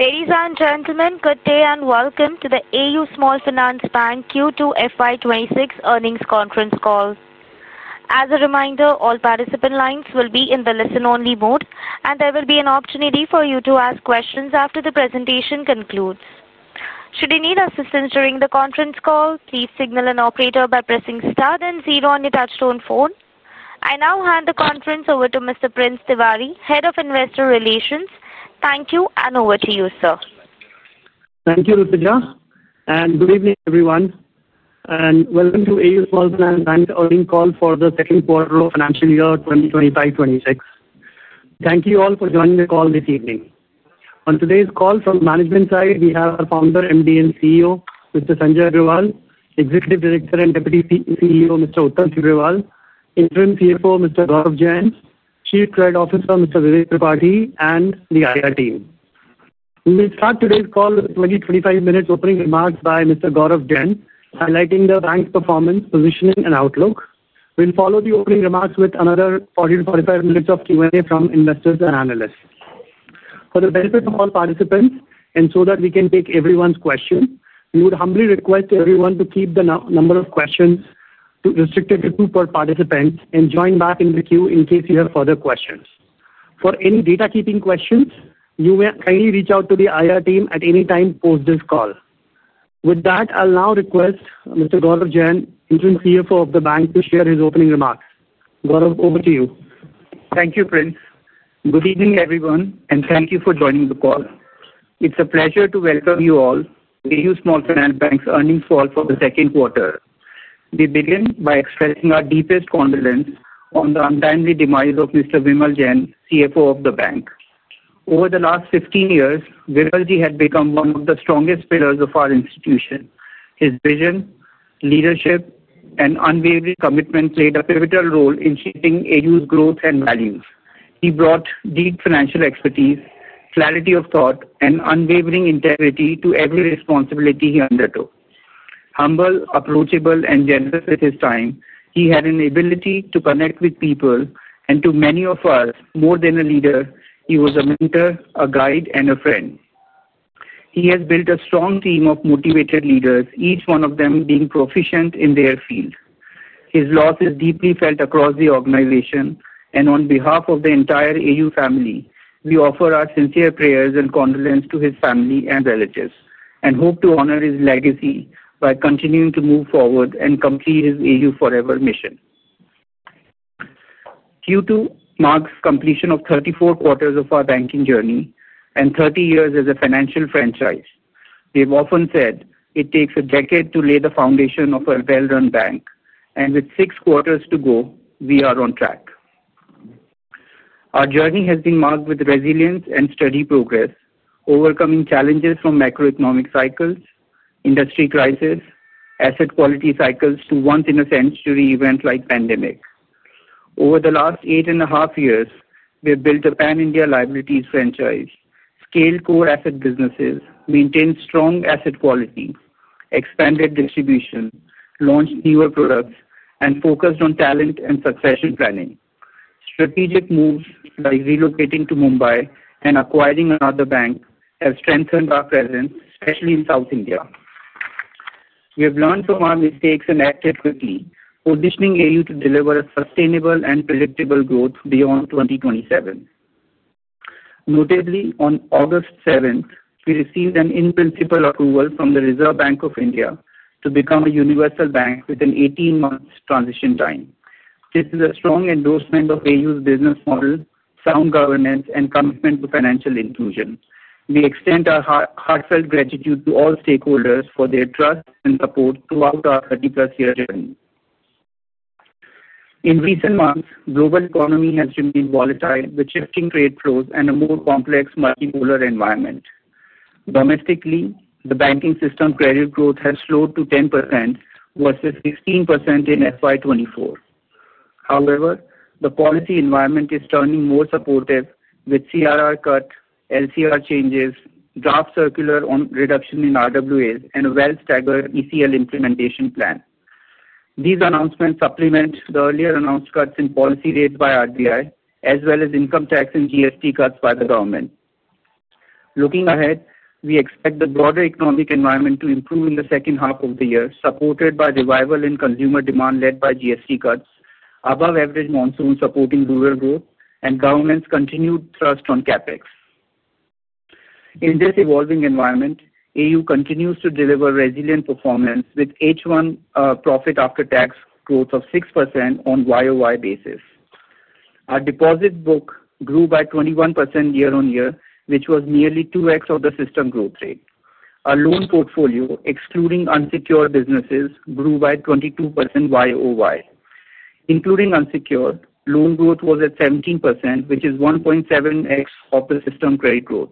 Ladies and gentlemen, good day and welcome to the AU Small Finance Bank Q2 FY 2026 earnings conference call. As a reminder, all participant lines will be in the listen-only mode, and there will be an opportunity for you to ask questions after the presentation concludes. Should you need assistance during the conference call, please signal an operator by pressing star then zero on your touch-tone phone. I now hand the conference over to Mr. Prince Tiwari, Head of Investor Relations. Thank you, and over to you, sir. Thank you, Ruthika. Good evening, everyone, and welcome to AU Small Finance Bank's earnings call for the second quarter of the financial year 2025-2026. Thank you all for joining the call this evening. On today's call, from the management side, we have our Founder, MD and CEO, Mr. Sanjay Agarwal, Executive Director and Deputy CEO, Mr. Uttam Tibrewal, Interim CFO, Mr. Gaurav Jain, Chief Trade Officer, Mr. Vivek Tripathi, and the IR team. We will start today's call with 20-25 minutes of opening remarks by Mr. Gaurav Jain, highlighting the bank's performance, positioning, and outlook. We will follow the opening remarks with another 40-45 minutes of Q&A from investors and analysts. For the benefit of all participants and so that we can take everyone's question, we would humbly request everyone to keep the number of questions restricted to two per participant and join back in the queue in case you have further questions. For any data-keeping questions, you may kindly reach out to the IR team at any time post this call. With that, I'll now request Mr. Gaurav Jain, Interim CFO of the bank, to share his opening remarks. Gaurav, over to you. Thank you, Prince. Good evening, everyone, and thank you for joining the call. It's a pleasure to welcome you all to AU Small Finance Bank's earnings call for the second quarter. We begin by expressing our deepest condolence on the untimely demise of Mr. Vimal Jain, CFO of the bank. Over the last 15 years, Vimal Jain had become one of the strongest pillars of our institution. His vision, leadership, and unwavering commitment played a pivotal role in shaping AU's growth and values. He brought deep financial expertise, clarity of thought, and unwavering integrity to every responsibility he undertook. Humble, approachable, and generous with his time, he had an ability to connect with people, and to many of us, more than a leader, he was a mentor, a guide, and a friend. He has built a strong team of motivated leaders, each one of them being proficient in their field. His loss is deeply felt across the organization, and on behalf of the entire AU family, we offer our sincere prayers and condolences to his family and relatives and hope to honor his legacy by continuing to move forward and complete his AU forever mission. Q2 marks the completion of 34 quarters of our banking journey and 30 years as a financial franchise. We have often said it takes a decade to lay the foundation of a well-run bank, and with six quarters to go, we are on track. Our journey has been marked with resilience and steady progress, overcoming challenges from macroeconomic cycles, industry crises, asset quality cycles, to once in a century events like the pandemic. Over the last eight and a half years, we have built a Pan-India liabilities franchise, scaled core asset businesses, maintained strong asset quality, expanded distribution, launched newer products, and focused on talent and succession planning. Strategic moves like relocating to Mumbai and acquiring another bank have strengthened our presence, especially in South India. We have learned from our mistakes and acted quickly, positioning AU to deliver a sustainable and predictable growth beyond 2027. Notably, on August 7th, we received an in-principle approval from the Reserve Bank of India to become a universal bank with an 18-month transition time. This is a strong endorsement of AU's business model, sound governance, and commitment to financial inclusion. We extend our heartfelt gratitude to all stakeholders for their trust and support throughout our 30+ year journey. In recent months, the global economy has remained volatile with shifting trade flows and a more complex, multimodal environment. Domestically, the banking system credit growth has slowed to 10% versus 16% in FY 2024. However, the policy environment is turning more supportive with CRR cuts, LCR changes, draft circular on reduction in RWAs, and a well-staged ECL implementation plan. These announcements supplement the earlier announced cuts in policy rates by the RBI, as well as income tax and GST cuts by the government. Looking ahead, we expect the broader economic environment to improve in the second half of the year, supported by revival in consumer demand led by GST cuts, above-average monsoon supporting rural growth, and government's continued thrust on CapEx. In this evolving environment, AU continues to deliver resilient performance with H1 profit after tax growth of 6% on a YoY basis. Our deposit book grew by 21% year-on-year, which was nearly 2x of the system growth rate. Our loan portfolio, excluding unsecured businesses, grew by 22% YoY. Including unsecured, loan growth was at 17%, which is 1.7x of the system credit growth.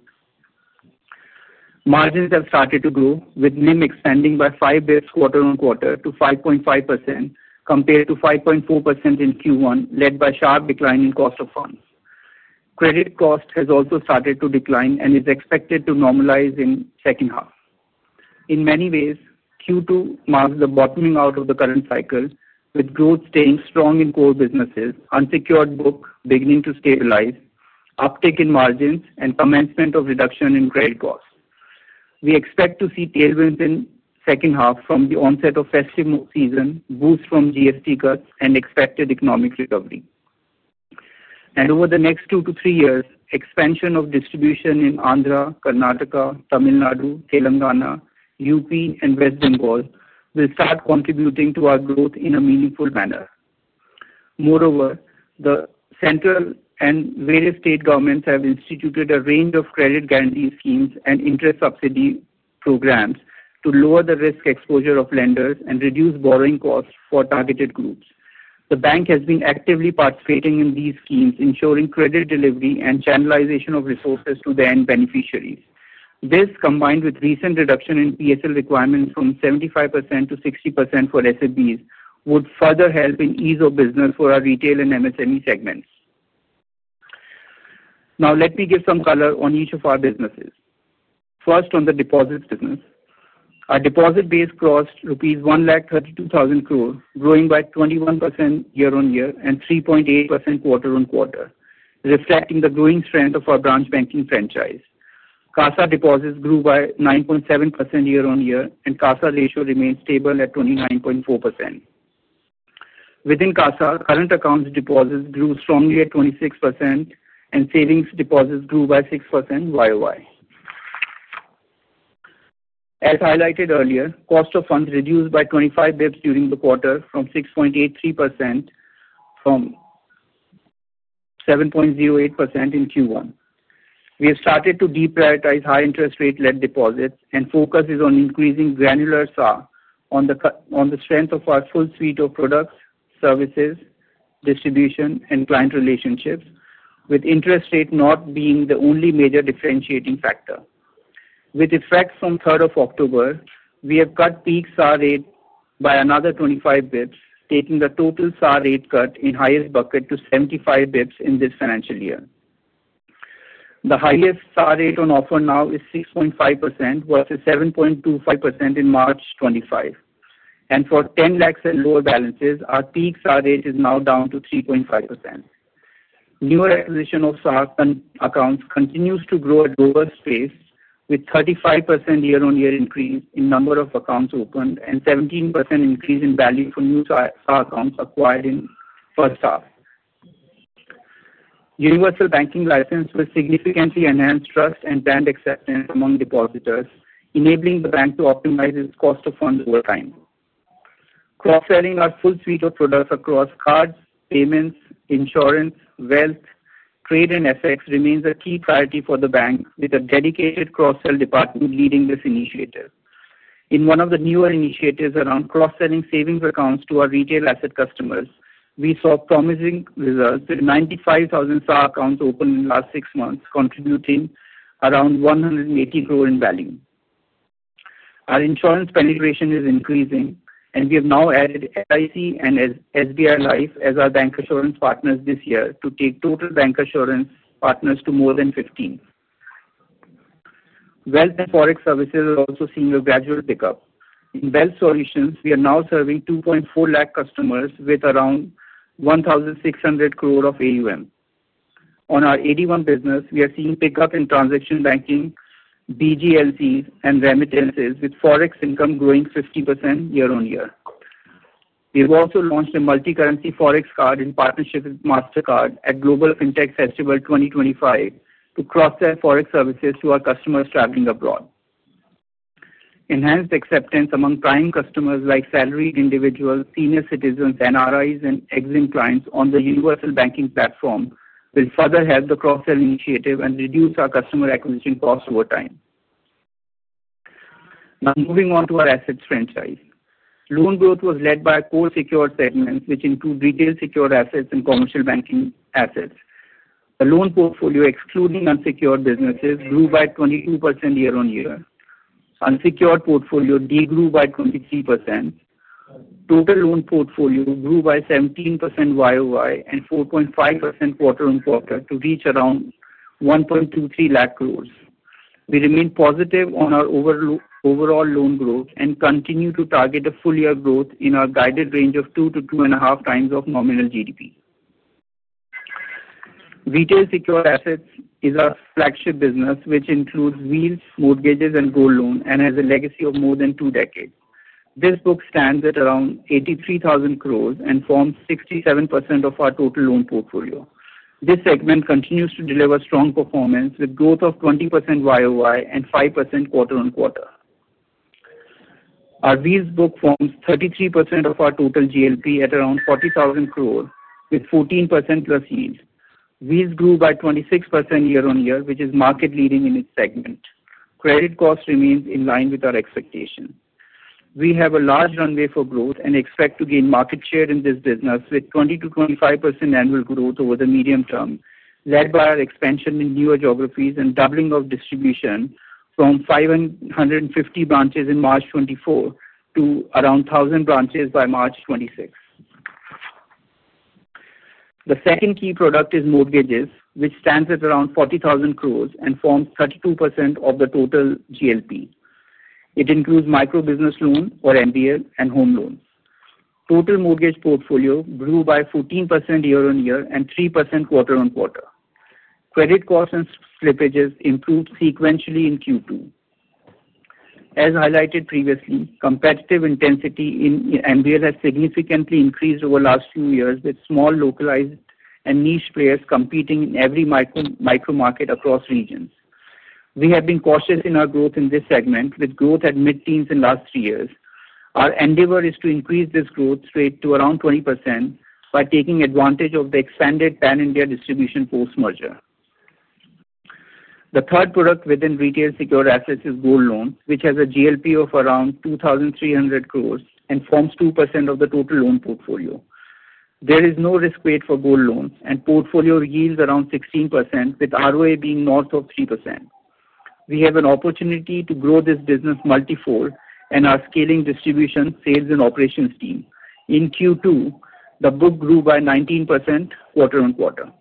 Margins have started to grow, with net interest margin (NIM) expanding by five bps quarter on quarter to 5.5% compared to 5.4% in Q1, led by a sharp decline in cost of funds. Credit cost has also started to decline and is expected to normalize in the second half. In many ways, Q2 marks the bottoming out of the current cycle, with growth staying strong in core businesses, unsecured book beginning to stabilize, uptake in margins, and commencement of reduction in credit costs. We expect to see tailwinds in the second half from the onset of the festive season, boost from GST cuts, and expected economic recovery. Over the next two to three years, expansion of distribution in Andhra, Karnataka, Tamil Nadu, Telangana, UP, and West Bengal will start contributing to our growth in a meaningful manner. Moreover, the central and various state governments have instituted a range of credit guarantee schemes and interest subsidy programs to lower the risk exposure of lenders and reduce borrowing costs for targeted groups. The bank has been actively participating in these schemes, ensuring credit delivery and channelization of resources to the end beneficiaries. This, combined with recent reduction in PSL requirements from 75% to 60% for SMBs, would further help in the ease of business for our retail and MSME segments. Now, let me give some color on each of our businesses. First, on the deposits business, our deposit base crossed [rupees 1,032 billion], growing by 21% year-on-year and 3.8% quarter on quarter, reflecting the growing strength of our branch banking franchise. CASA deposits grew by 9.7% year-on-year, and CASA ratio remains stable at 29.4%. Within CASA, current account deposits grew strongly at 26%, and savings deposits grew by 6% YoY. As highlighted earlier, cost of funds reduced by 25 bps during the quarter of 6.83% from 7.08% in Q1. We have started to deprioritize high-interest rate-led deposits, and focus is on increasing granular SAR on the strength of our full suite of products, services, distribution, and client relationships, with interest rate not being the only major differentiating factor. With effect from the October 3rd, we have cut peak SAR rate by another 25 bps, taking the total SAR rate cut in the highest bucket to 75 bps in this financial year. The highest SAR rate on offer now is 6.5% versus 7.25% in March 2025. For 10 lakhs and lower balances, our peak SAR rate is now down to 3.5%. New acquisition of SAR accounts continues to grow at a global pace, with a 35% year-on-year increase in the number of accounts opened and a 17% increase in value for new SAR accounts acquired in the first half. Universal banking license will significantly enhance trust and brand acceptance among depositors, enabling the bank to optimize its cost of funds over time. Cross-selling our full suite of products across cards, payments, insurance, wealth, trade, and assets remains a key priority for the bank, with a dedicated cross-sell department leading this initiative. In one of the newer initiatives around cross-selling savings accounts to our retail asset customers, we saw promising results with 95,000 SAR accounts opened in the last six months, contributing around 180 crore in value. Our insurance penetration is increasing, and we have now added LIC and SBI Life as our bancassurance partners this year to take total bancassurance partners to more than 15. Wealth and forex services are also seeing a gradual pickup. In wealth solutions, we are now serving 240, 000 customers with around 1,600 crore of AUM. On our AD1 business, we are seeing a pickup in transaction banking, BGLCs, and remittances, with forex income growing 50% year-on-year. We have also launched a multi-currency forex card in partnership with Mastercard at Global Fintech Festival 2025 to cross-sell forex services to our customers traveling abroad. Enhanced acceptance among prime customers like salaried individuals, senior citizens, NRIs, and exim clients on the universal banking platform will further help the cross-sell initiative and reduce our customer acquisition costs over time. Now, moving on to our assets franchise, loan growth was led by core secured segments, which include retail secured assets and commercial banking assets. The loan portfolio, excluding unsecured businesses, grew by 22% year-on-year. Unsecured portfolio did grow by 23%. Total loan portfolio grew by 17% YoY and 4.5% quarter-on-quarter to reach around 1.23 lakh crore. We remain positive on our overall loan growth and continue to target a full-year growth in our guided range of 2x-2.5x of nominal GDP. Retail secured assets is our flagship business, which includes deals, mortgages, and gold loans and has a legacy of more than two decades. This book stands at around 83,000 crore and forms 67% of our total loan portfolio. This segment continues to deliver strong performance with growth of 20% YoY and 5% quarter-on-quarter. Our lease book forms 33% of our total GLP at around 40,000 crore, with 14%+ yields. Lease grew by 26% year-on-year, which is market-leading in its segment. Credit cost remains in line with our expectations. We have a large runway for growth and expect to gain market share in this business with 20%-25% annual growth over the medium term, led by our expansion in newer geographies and doubling of distribution from 550 branches in March 2024 to around 1,000 branches by March 2026. The second key product is mortgages, which stands at around 40,000 crore and forms 32% of the total GLP. It includes micro business loans or MBS and home loans. Total mortgage portfolio grew by 14% year-on-year and 3% quarter-on-quarter. Credit costs and slippages improved sequentially in Q2. As highlighted previously, competitive intensity in MBS has significantly increased over the last few years, with small localized and niche players competing in every micro market across regions. We have been cautious in our growth in this segment, with growth at mid-teens in the last three years. Our endeavor is to increase this growth rate to around 20% by taking advantage of the expanded Pan-India distribution post-merger. The third product within retail secured assets is gold loans, which has a GLP of around 2,300 crore and forms 2% of the total loan portfolio. There is no risk rate for gold loans, and the portfolio yields around 16%, with ROA being north of 3%. We have an opportunity to grow this business multifold and are scaling distribution, sales, and operations team. In Q2, the book grew by 19% quarter-on-quarter.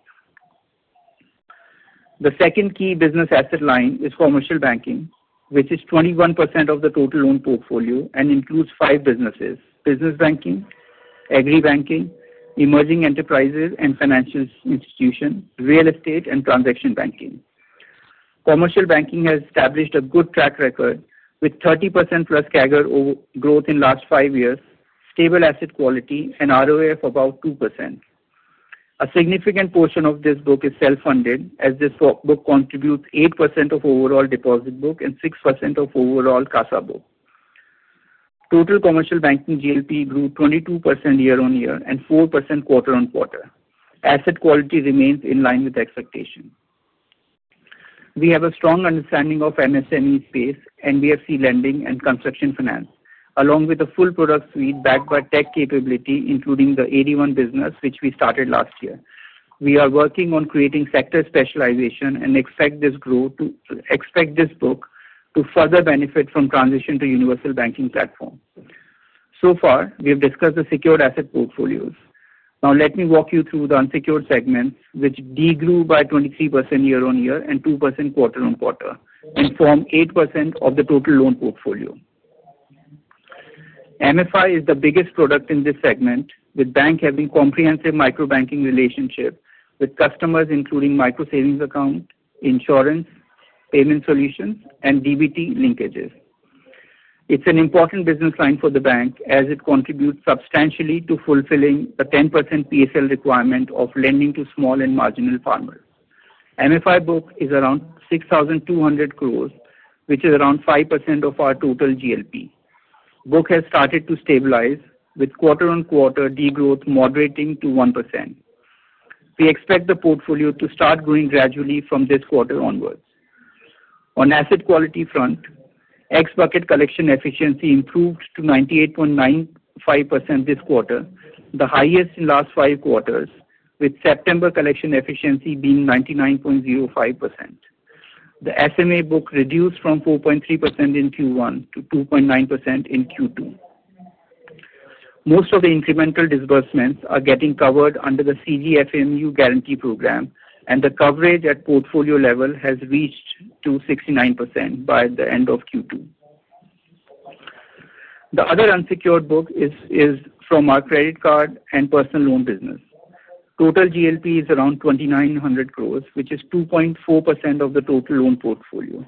The second key business asset line is commercial banking, which is 21% of the total loan portfolio and includes five businesses: business banking, agri banking, emerging enterprises and financial institutions, real estate, and transaction banking. Commercial banking has established a good track record with 30%+ CAGR growth in the last five years, stable asset quality, and ROA of about 2%. A significant portion of this book is self-funded, as this book contributes 8% of overall deposit book and 6% of overall CASA book. Total commercial banking GLP grew 22% year-on-year and 4% quarter-on-quarter. Asset quality remains in line with expectations. We have a strong understanding of MSME space, NBFC lending, and construction finance, along with a full product suite backed by tech capability, including the AD1 business, which we started last year. We are working on creating sector specialization and expect this book to further benefit from the transition to the universal banking platform. So far, we have discussed the secured asset portfolios. Now, let me walk you through the unsecured segments, which did grow by 23% year-on-year and 2% quarter on quarter and formed 8% of the total loan portfolio. MFI is the biggest product in this segment, with the bank having a comprehensive micro banking relationship with customers, including micro savings accounts, insurance, payment solutions, and DBT linkages. It's an important business line for the bank, as it contributes substantially to fulfilling the 10% PSL requirement of lending to small and marginal farmers. MFI book is around 6,200 crore, which is around 5% of our total GLP. The book has started to stabilize, with quarter on quarter degrowth moderating to 1%. We expect the portfolio to start growing gradually from this quarter onwards. On the asset quality front, the ex-bucket collection efficiency improved to 98.95% this quarter, the highest in the last five quarters, with September collection efficiency being 99.05%. The SMA book reduced from 4.3% in Q1 to 2.9% in Q2. Most of the incremental disbursements are getting covered under the CGFMU guarantee program, and the coverage at the portfolio level has reached 69% by the end of Q2. The other unsecured book is from our credit card and personal loan business. Total GLP is around 2,900 crore, which is 2.4% of the total loan portfolio.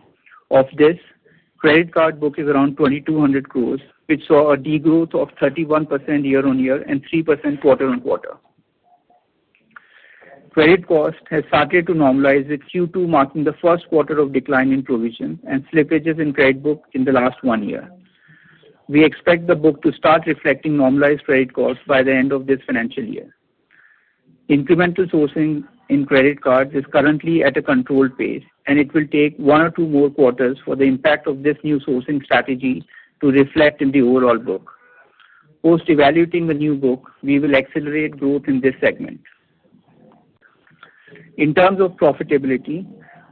Of this, the credit card book is around 2,200 crore, which saw a degrowth of 31% year-over-year and 3% quarter-on-quarter. Credit cost has started to normalize with Q2 marking the first quarter of decline in provisions and slippages in credit book in the last one year. We expect the book to start reflecting normalized credit costs by the end of this financial year. Incremental sourcing in credit cards is currently at a controlled pace, and it will take one or two more quarters for the impact of this new sourcing strategy to reflect in the overall book. Post-evaluating the new book, we will accelerate growth in this segment. In terms of profitability,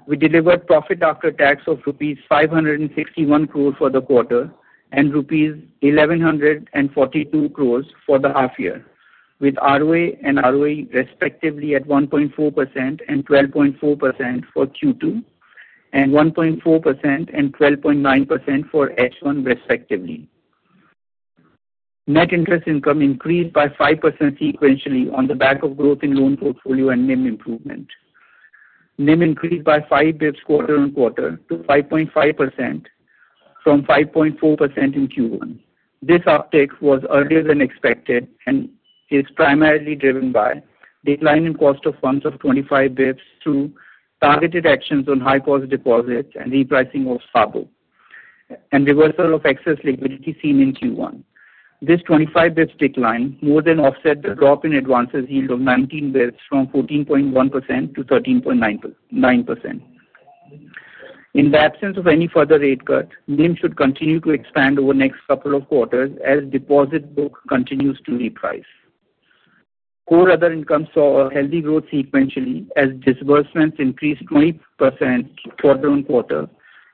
we delivered profit after tax of 561 crore for the quarter and 1,142 crore for the half year, with ROA and ROE respectively at 1.4% and 12.4% for Q2 and 1.4% and 12.9% for H1, respectively. Net interest income increased by 5% sequentially on the back of growth in loan portfolio and NIM improvement. NIM increased by 5 bps quarter-on-quarter to 5.5% from 5.4% in Q1. This uptake was earlier than expected and is primarily driven by the decline in cost of funds of 25 bps through targeted actions on high-cost deposits and repricing of SA book and reversal of excess liquidity seen in Q1. This 25 bps decline more than offset the drop in advances yield of 19 bps from 14.1% to 13.9%. In the absence of any further rate cuts, NIM should continue to expand over the next couple of quarters as deposit book continues to reprice. Core other income saw a healthy growth sequentially as disbursements increased 20% quarter-on-quarter,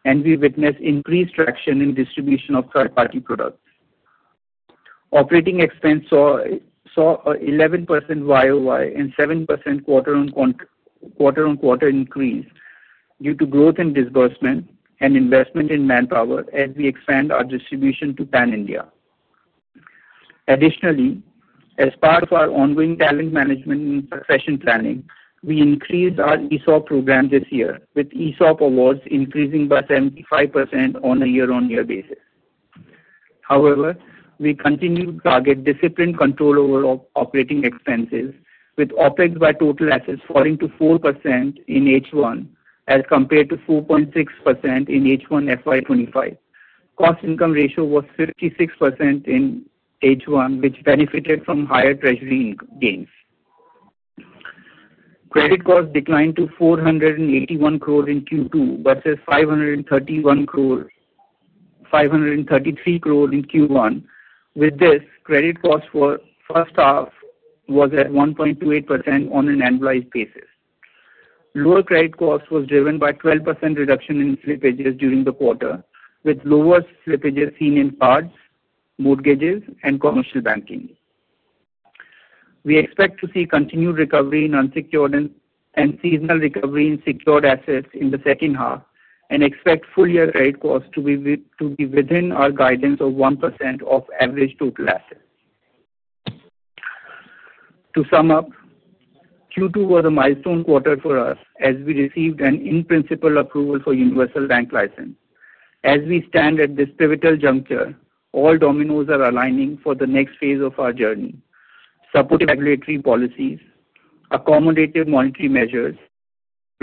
and we witnessed increased traction in distribution of third-party products. Operating expense saw an 11% year-over-year and 7% quarter-on-quarter increase due to growth in disbursement and investment in manpower as we expand our distribution to Pan-India. Additionally, as part of our ongoing talent management and succession planning, we increased our ESOP program this year, with ESOP awards increasing by 75% on a year-over-year basis. However, we continue to target discipline control over operating expenses, with OpEx by total assets falling to 4% in H1 as compared to 4.6% in H1 FY 2025. Cost-to-income ratio was 56% in H1, which benefited from higher treasury gains. Credit costs declined to 481 crore in Q2 versus 533 crore in Q1. With this, credit costs for the first half were at 1.28% on an annualized basis. Lower credit costs were driven by a 12% reduction in slippages during the quarter, with lower slippages seen in credit cards, mortgages, and commercial banking. We expect to see continued recovery in unsecured and seasonal recovery in secured assets in the second half and expect full-year credit costs to be within our guidance of 1% of average total assets. To sum up, Q2 was a milestone quarter for us as we received an in-principle approval for universal bank license. As we stand at this pivotal juncture, all dominoes are aligning for the next phase of our journey. Supporting regulatory policies, accommodative monetary measures,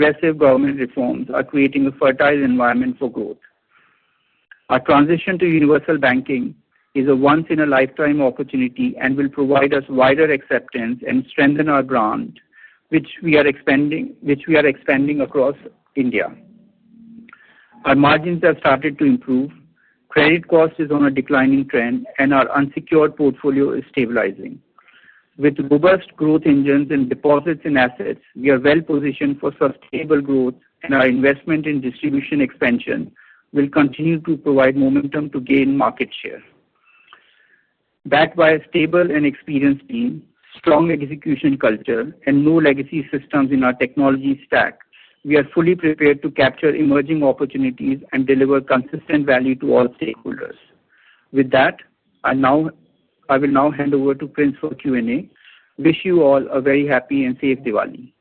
and progressive government reforms are creating a fertile environment for growth. Our transition to universal banking is a once-in-a-lifetime opportunity and will provide us wider acceptance and strengthen our brand, which we are expanding across India. Our margins have started to improve, credit costs are on a declining trend, and our unsecured portfolio is stabilizing. With robust growth engines and deposits in assets, we are well positioned for sustainable growth, and our investment in distribution expansion will continue to provide momentum to gain market share. Backed by a stable and experienced team, strong execution culture, and no legacy systems in our technology stack, we are fully prepared to capture emerging opportunities and deliver consistent value to all stakeholders. With that, I will now hand over to Prince for Q&A. Wish you all a very happy and safe Diwali.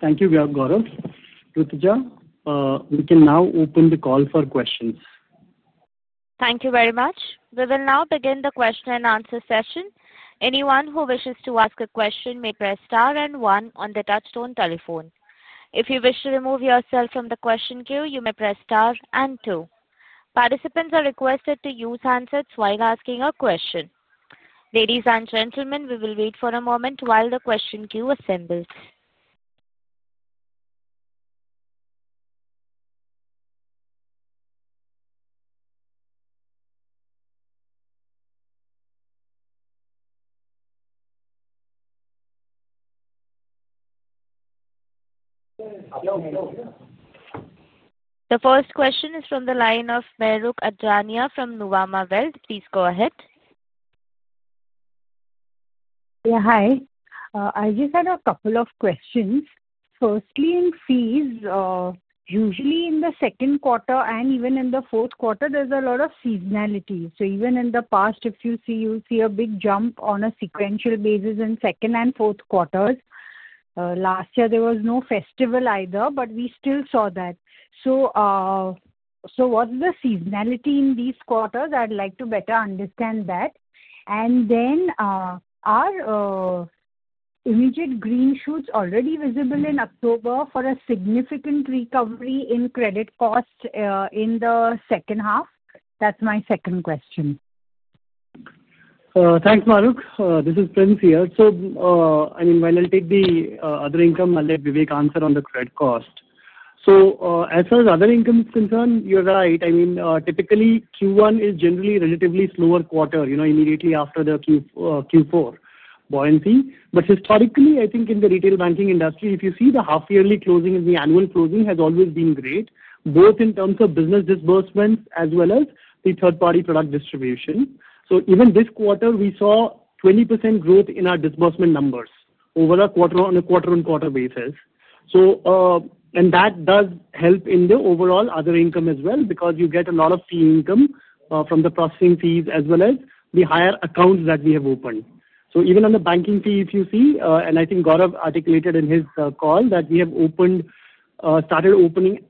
Thank you, Gaurav. Ruthika, we can now open the call for questions. Thank you very much. We will now begin the question-and-answer session. Anyone who wishes to ask a question may press star and one on the touch-tone telephone. If you wish to remove yourself from the question queue, you may press star and two. Participants are requested to use handsets while asking a question. Ladies and gentlemen, we will wait for a moment while the question queue assembles. The first question is from the line of Mahrukh Adajania from Nuvama Wealth. Please go ahead. Yeah, hi. I just had a couple of questions. Firstly, in fees, usually in the second quarter and even in the fourth quarter, there's a lot of seasonality. Even in the past, if you see, you'll see a big jump on a sequential basis in second and fourth quarters. Last year, there was no festival either, but we still saw that. What's the seasonality in these quarters? I'd like to better understand that. Are immediate green shoots already visible in October for a significant recovery in credit costs in the second half? That's my second question. Thanks, Maruk. This is Prince here. While I'll take the other income, I'll let Vivek answer on the credit cost. As far as other income is concerned, you're right. Typically, Q1 is generally a relatively slower quarter, immediately after the Q4 bonancy. Historically, I think in the retail banking industry, if you see, the half-yearly closing and the annual closing has always been great, both in terms of business disbursements as well as the third-party product distribution. Even this quarter, we saw 20% growth in our disbursement numbers on a quarter-on-quarter basis. That does help in the overall other income as well because you get a lot of fee income from the processing fees as well as the higher accounts that we have opened. Even on the banking fee, if you see, and I think Gaurav articulated in his call that we have started opening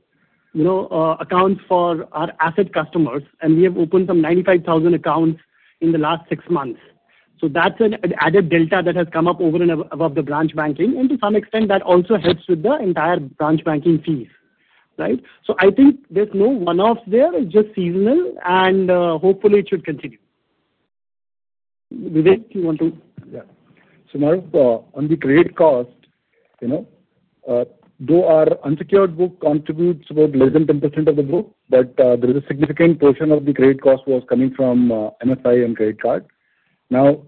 accounts for our asset customers, and we have opened some 95,000 accounts in the last six months. That's an added delta that has come up over and above the branch banking. To some extent, that also helps with the entire branch banking fees, right? I think there's no one-offs there. It's just seasonal, and hopefully, it should continue. Vivek, do you want to? Yeah. So Mahrukh, on the credit cost, you know, though our unsecured book contributes about less than 10% of the book, there is a significant portion of the credit cost coming from microfinance and credit cards. Now,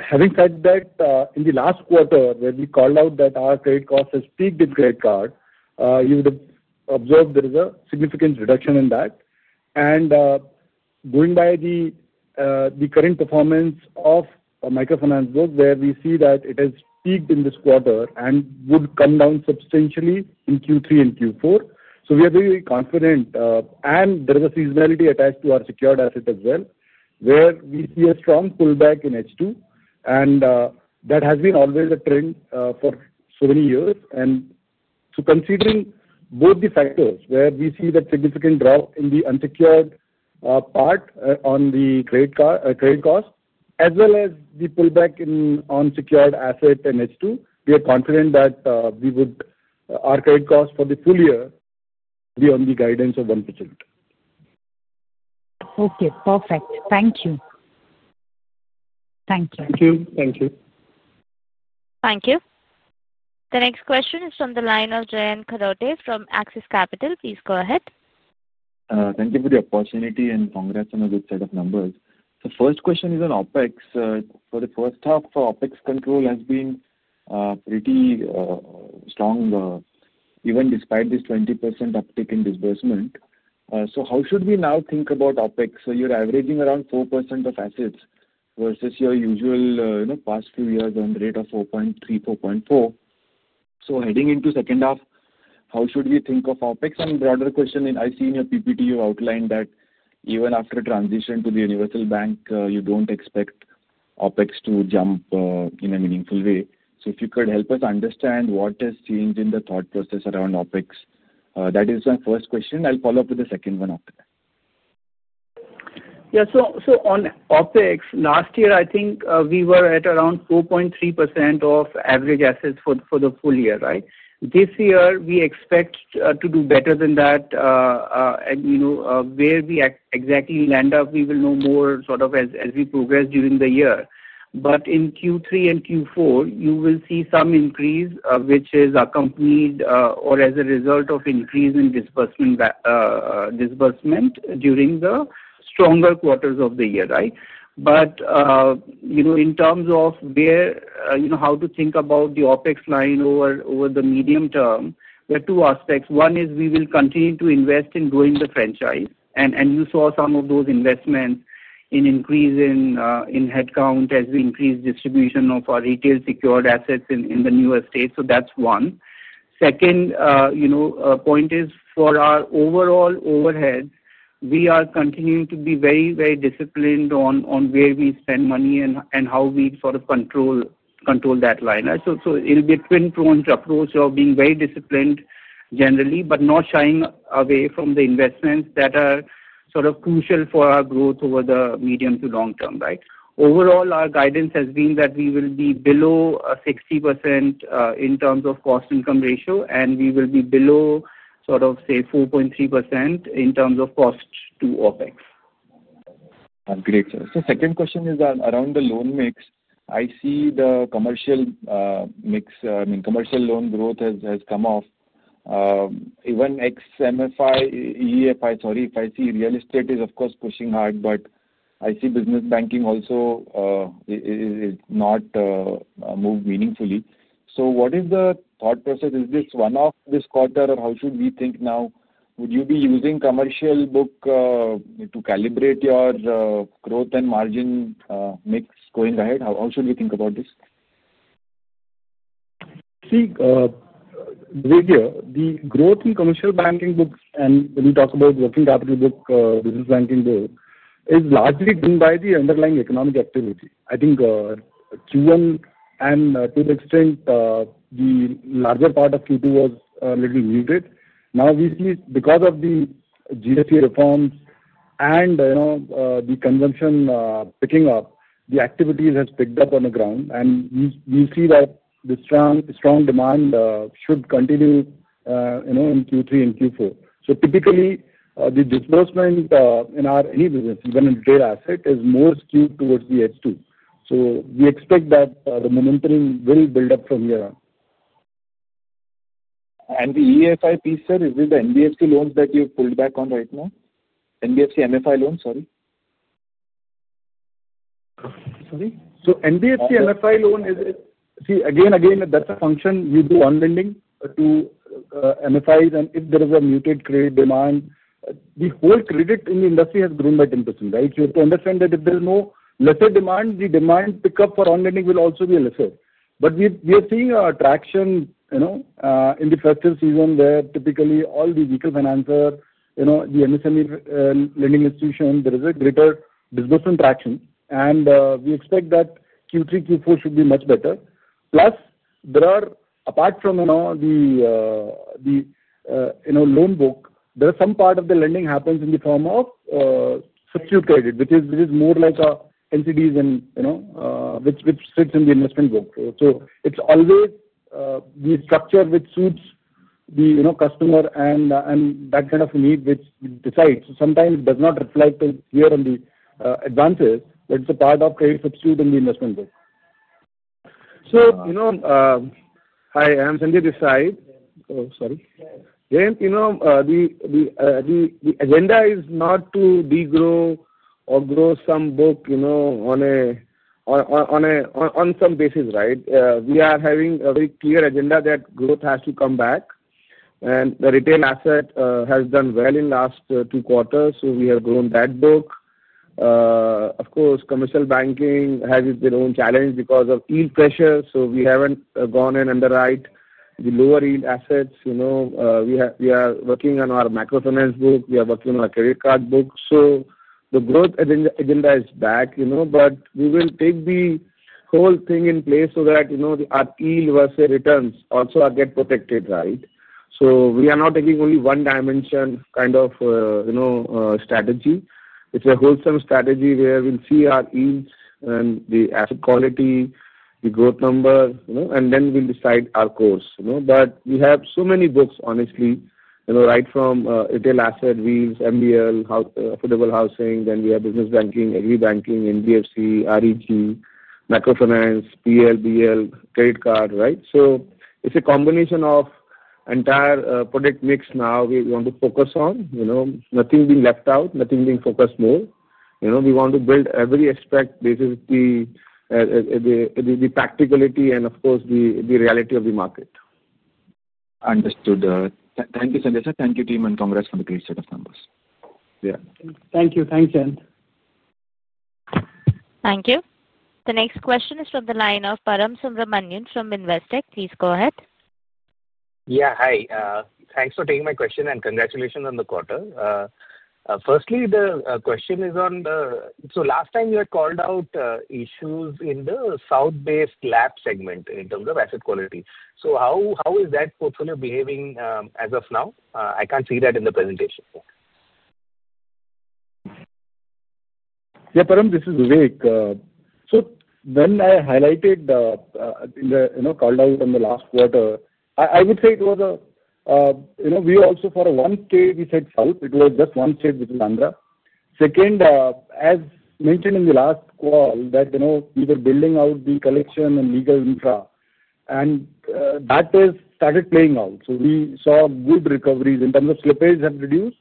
having said that, in the last quarter where we called out that our credit cost has peaked in credit cards, you would have observed there is a significant reduction in that. Going by the current performance of our microfinance book, we see that it has peaked in this quarter and would come down substantially in Q3 and Q4. We are very confident, and there is a seasonality attached to our secured assets as well, where we see a strong pullback in H2. That has always been a trend for so many years. Considering both the factors, where we see that significant drop in the unsecured part on the credit cost, as well as the pullback in secured assets in H2, we are confident that our credit cost for the full year would be on the guidance of 1%. Okay. Perfect. Thank you. Thank you. Thank you. Thank you. Thank you. The next question is from the line of Jayan Kadothe from Axis Capital. Please go ahead. Thank you for the opportunity and congrats on a good set of numbers. The first question is on OPEX. For the first half, OPEX control has been pretty strong, even despite this 20% uptake in disbursement. How should we now think about OPEX? You're averaging around 4% of assets versus your usual past few years on the rate of 4.3%, 4.4%. Heading into the second half, how should we think of OPEX? A broader question, I've seen your PPT, you outlined that even after transition to the universal bank, you don't expect OPEX to jump in a meaningful way. If you could help us understand what has changed in the thought process around OPEX, that is my first question. I'll follow up with the second one after that. Yeah. So on OPEX, last year, I think we were at around 4.3% of average assets for the full year, right? This year, we expect to do better than that. Where we exactly land up, we will know more as we progress during the year. In Q3 and Q4, you will see some increase, which is accompanied or as a result of increase in disbursement during the stronger quarters of the year, right? In terms of how to think about the OPEX line over the medium term, there are two aspects. One is we will continue to invest in growing the franchise. You saw some of those investments in increasing headcount as we increase distribution of our retail secured assets in the newer states. That's one. Second, for our overall overheads, we are continuing to be very, very disciplined on where we spend money and how we control that line. It'll be a twin-pronged approach of being very disciplined generally, but not shying away from the investments that are crucial for our growth over the medium to long term, right? Overall, our guidance has been that we will be below 60% in terms of cost-to-income ratio, and we will be below, say, 4.3% in terms of cost to OPEX. That's great, sir. Second question is around the loan mix. I see the commercial mix, I mean, commercial loan growth has come off. Even microfinance, if I see real estate is, of course, pushing hard, but I see business banking also has not moved meaningfully. What is the thought process? Is this one-off this quarter, or how should we think now? Would you be using commercial book to calibrate your growth and margin mix going ahead? How should we think about this? See, Vivek, the growth in commercial banking books, and when we talk about working capital book, business banking book, is largely driven by the underlying economic activity. I think Q1 and to an extent, the larger part of Q2 was a little muted. Now, we see because of the GST reforms and the consumption picking up, the activities have picked up on the ground. We see that the strong demand should continue in Q3 and Q4. Typically, the disbursement in our any business, even in retail asset, is more skewed towards the H2. We expect that the momentum will build up from here on. Is it the NBFC loans that you've pulled back on right now? NBFC MFI loans, sorry. Sorry? NBFC MFI loan is, again, that's a function you do on lending to MFIs. If there is a muted credit demand, the whole credit in the industry has grown by 10%, right? You have to understand that if there's no lesser demand, the demand pickup for on lending will also be lesser. We are seeing a traction in the festive season where typically all the vehicle financer, the MSME lending institution, there is a greater disbursement traction. We expect that Q3, Q4 should be much better. Plus, apart from the loan book, there is some part of the lending that happens in the form of subsidy credit, which is more like NCDs and sits in the investment book. It's always the structure which suits the customer and that kind of need which decides. Sometimes it does not reflect here on the advances, but it's a part of credit substitute in the investment book. Hi, I am Sanjay Agarwal. The agenda is not to degrow or grow some book on some basis, right? We are having a very clear agenda that growth has to come back, and the retail asset has done well in the last two quarters. We have grown that book. Of course, commercial banking has its own challenge because of yield pressure, so we haven't gone in and underwritten the lower yield assets. We are working on our microfinance book. We are working on our credit card book. The growth agenda is back, but we will take the whole thing in place so that our yield versus returns also get protected, right? We are not taking only one-dimension kind of strategy. It's a wholesome strategy where we'll see our yields and the asset quality, the growth number, and then we'll decide our course. We have so many books, honestly, right from retail asset, weeds, MBL, affordable housing. Then we have business banking, agri banking, NBFC, REG, microfinance, PL, BL, credit card, right? It's a combination of an entire product mix now we want to focus on. Nothing being left out, nothing being focused more. We want to build every aspect, basically the practicality and, of course, the reality of the market. Understood. Thank you, Sanjay. Thank you, team, and congrats for the great set of numbers. Yeah, thank you. Thanks, Jayan. Thank you. The next question is from the line of Param Subramanian from Investech. Please go ahead. Yeah, hi. Thanks for taking my question and congratulations on the quarter. Firstly, the question is on the, last time you had called out issues in the South India-based lab segment in terms of asset quality. How is that portfolio behaving as of now? I can't see that in the presentation. Yeah, Param, this is Vivek. When I highlighted the, you know, called out on the last quarter, I would say it was a, you know, we also for one state, we said South. It was just one state, which is Andhra. Second, as mentioned in the last call, that, you know, we were building out the collection and legal infra. That has started playing out. We saw good recoveries in terms of slippage have reduced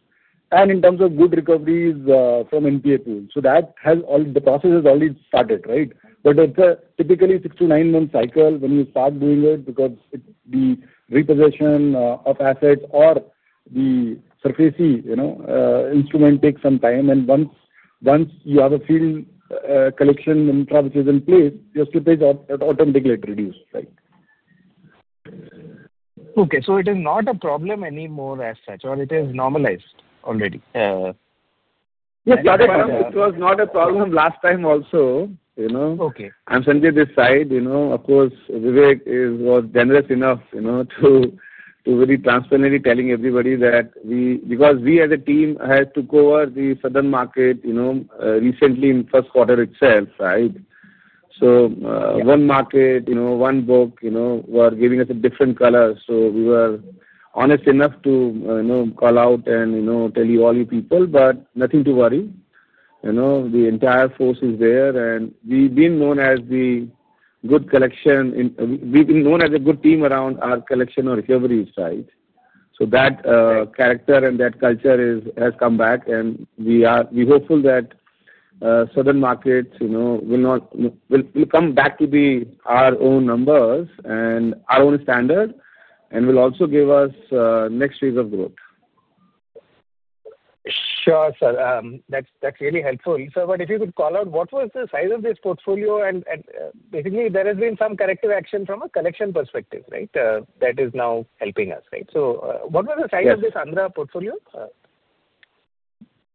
and in terms of good recoveries from NPA pools. All the processes already started, right? It's a typically six to nine-month cycle when you start doing it because the repossession of assets or the SARFAESI instrument takes some time. Once you have a field collection infra which is in place, your slippage automatically reduced, right? Okay, is it not a problem anymore as such, or is it normalized already? Yeah, it was not a problem last time also. Okay, I'm Sanjay Agarwal. Of course, Vivek was generous enough to very transparently tell everybody that we, because we as a team took over the South India market recently in the first quarter itself, right? One market, one book, were giving us a different color. We were honest enough to call out and tell you all your people, but nothing to worry. The entire force is there. We've been known as the good collection. We've been known as a good team around our collection or recoveries, right? That character and that culture has come back. We are hopeful that South India markets will come back to be our own numbers and our own standard and will also give us next waves of growth. Sure, sir. That's really helpful. Sir, if you could call out, what was the size of this portfolio? Basically, there has been some corrective action from a collection perspective, right, that is now helping us, right? What was the size of this Andhra portfolio?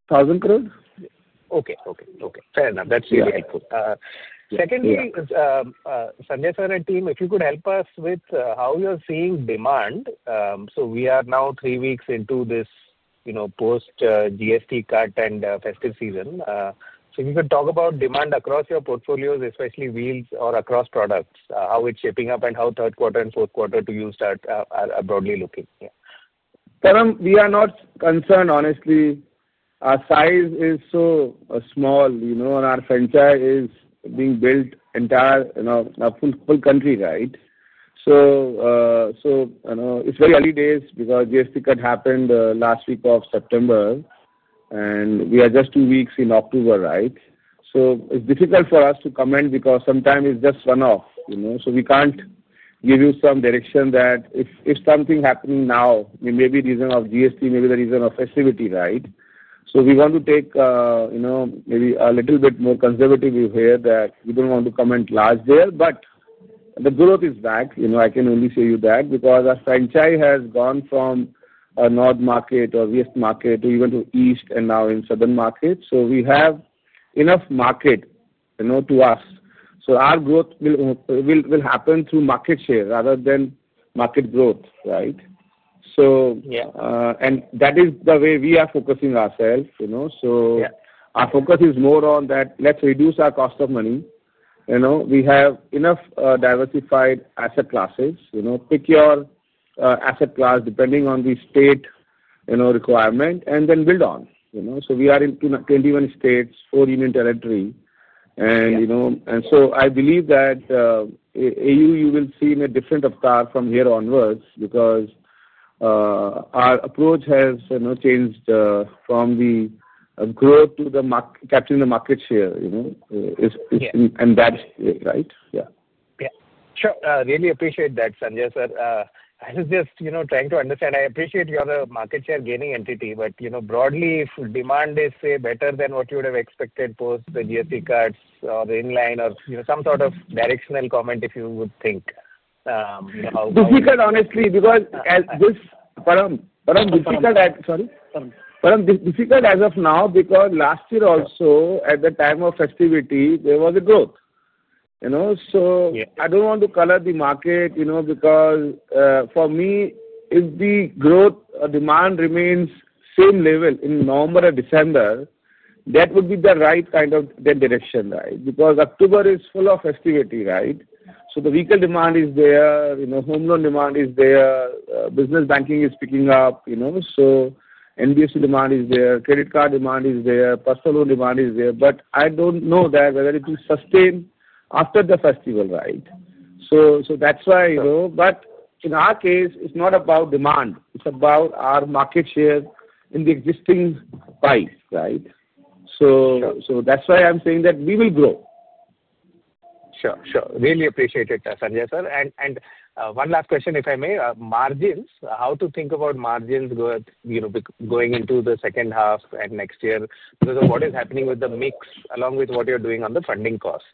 1,000 crores. Okay. Fair enough. That's really helpful. Secondly, Sanjay and team, if you could help us with how you're seeing demand. We are now three weeks into this, you know, post-GST cut and festive season. If you could talk about demand across your portfolios, especially wheels or across products, how it's shaping up and how third quarter and fourth quarter to you start broadly looking. Yeah. Param, we are not concerned, honestly. Our size is so small, you know, and our franchise is being built entire, you know, the whole country, right? It's very early days because GST cut happened last week of September, and we are just two weeks in October, right? It's difficult for us to comment because sometimes it's just one-off. We can't give you some direction that if something happened now, maybe the reason of GST, maybe the reason of festivity, right? We want to take, you know, maybe a little bit more conservative view here that we don't want to comment large there. The growth is back. I can only say you that because our franchise has gone from a north market or west market to even to East India and now in South India. We have enough market, you know, to us. Our growth will happen through market share rather than market growth, right? That is the way we are focusing ourselves. Our focus is more on that let's reduce our cost of money. We have enough diversified asset classes. Pick your asset class depending on the state, you know, requirement and then build on. We are in 21 states, four union territories. I believe that AU Small Finance Bank, you will see in a different avatar from here onwards because our approach has, you know, changed from the growth to the market, capturing the market share, you know, is, and that's it, right? Yeah. Yeah. Sure. Really appreciate that, Sanjay, sir. I was just trying to understand. I appreciate you are the market share gaining entity, but broadly, if demand is, say, better than what you would have expected post the GST cuts or inline or some sort of directional comment if you would think. It's difficult, honestly, because this, Param, difficult as of now because last year also at the time of festivity, there was a growth. I don't want to color the market, you know, because for me, if the growth or demand remains same level in November or December, that would be the right kind of the direction, right? October is full of festivity, right? The vehicle demand is there. Home loan demand is there. Business banking is picking up. NBC demand is there. Credit card demand is there. Personal loan demand is there. I don't know whether it will sustain after the festival, right? That's why, you know, in our case, it's not about demand. It's about our market share in the existing price, right? That's why I'm saying that we will grow. Sure. Really appreciate it, Sanjay, sir. One last question, if I may, margins, how to think about margins going into the second half and next year because of what is happening with the mix along with what you're doing on the funding cost?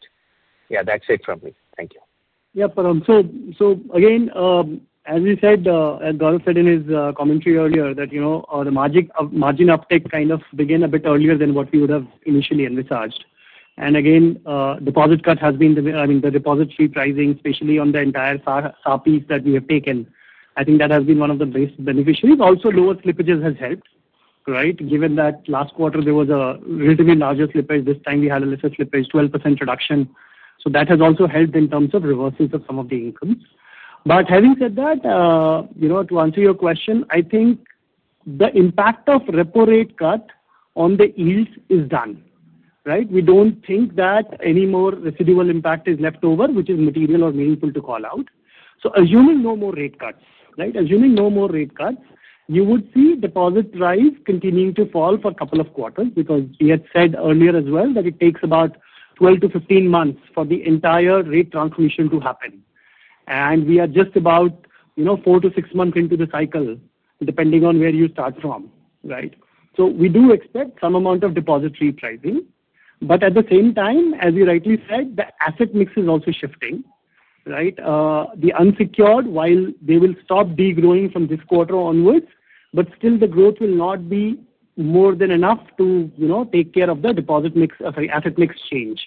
That's it from me. Thank you. Yeah, Param. As we said, as Gaurav Jain said in his commentary earlier, the margin uptake kind of began a bit earlier than what we would have initially envisaged. Deposit cuts have been the, I mean, the deposit fee pricing, especially on the entire SAPEs that we have taken, I think that has been one of the biggest beneficiaries. Also, lower slippages have helped, right? Given that last quarter there was a relatively larger slippage, this time we had a lesser slippage, 12% reduction. That has also helped in terms of reversals of some of the incomes. Having said that, to answer your question, I think the impact of repo rate cut on the yields is done, right? We don't think that any more residual impact is left over, which is material or meaningful to call out. Assuming no more rate cuts, you would see deposit price continuing to fall for a couple of quarters because we had said earlier as well that it takes about 12-15 months for the entire rate transformation to happen. We are just about, you know, four to six months into the cycle, depending on where you start from, right? We do expect some amount of depository pricing. At the same time, as you rightly said, the asset mix is also shifting, right? The unsecured, while they will stop degrowing from this quarter onwards, still the growth will not be more than enough to, you know, take care of the deposit mix, sorry, asset mix change.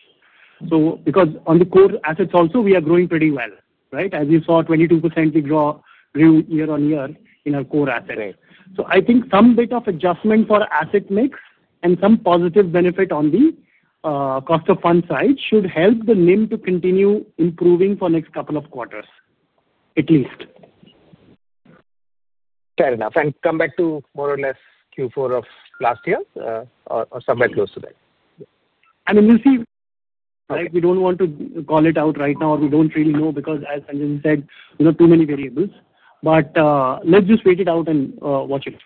Because on the core assets also, we are growing pretty well, right? As you saw, 22% we grow year on year in our core assets. I think some bit of adjustment for asset mix and some positive benefit on the cost of fund side should help the NIM to continue improving for the next couple of quarters, at least. Fair enough. Come back to more or less Q4 of last year or somewhere close to that. I mean, we'll see, right? We don't want to call it out right now or we don't really know because, as Sanjay said, we have too many variables. Let's just wait it out and watch it out.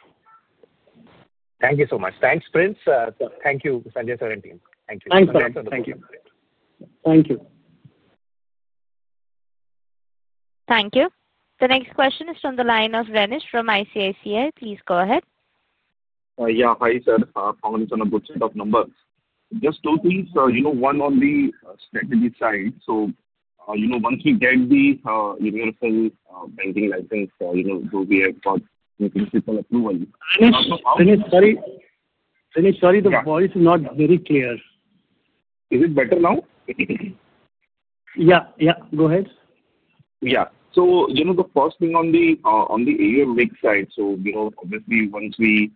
Thank you so much. Thanks, Prince. Thank you, Sanjay and team. Thank you. Thank you. Thank you. Thank you. The next question is from the line of Ramesh from ICICI. Please go ahead. Yeah, hi, sir. Congratulations on a good set of numbers. Just two things. One on the strategy side. Once we get the universal banking license, though we have got the principal approval. Sorry, Ramesh, the voice is not very clear. Is it better now? Yeah, go ahead. Yeah. The first thing on the AUM mix side, obviously, once we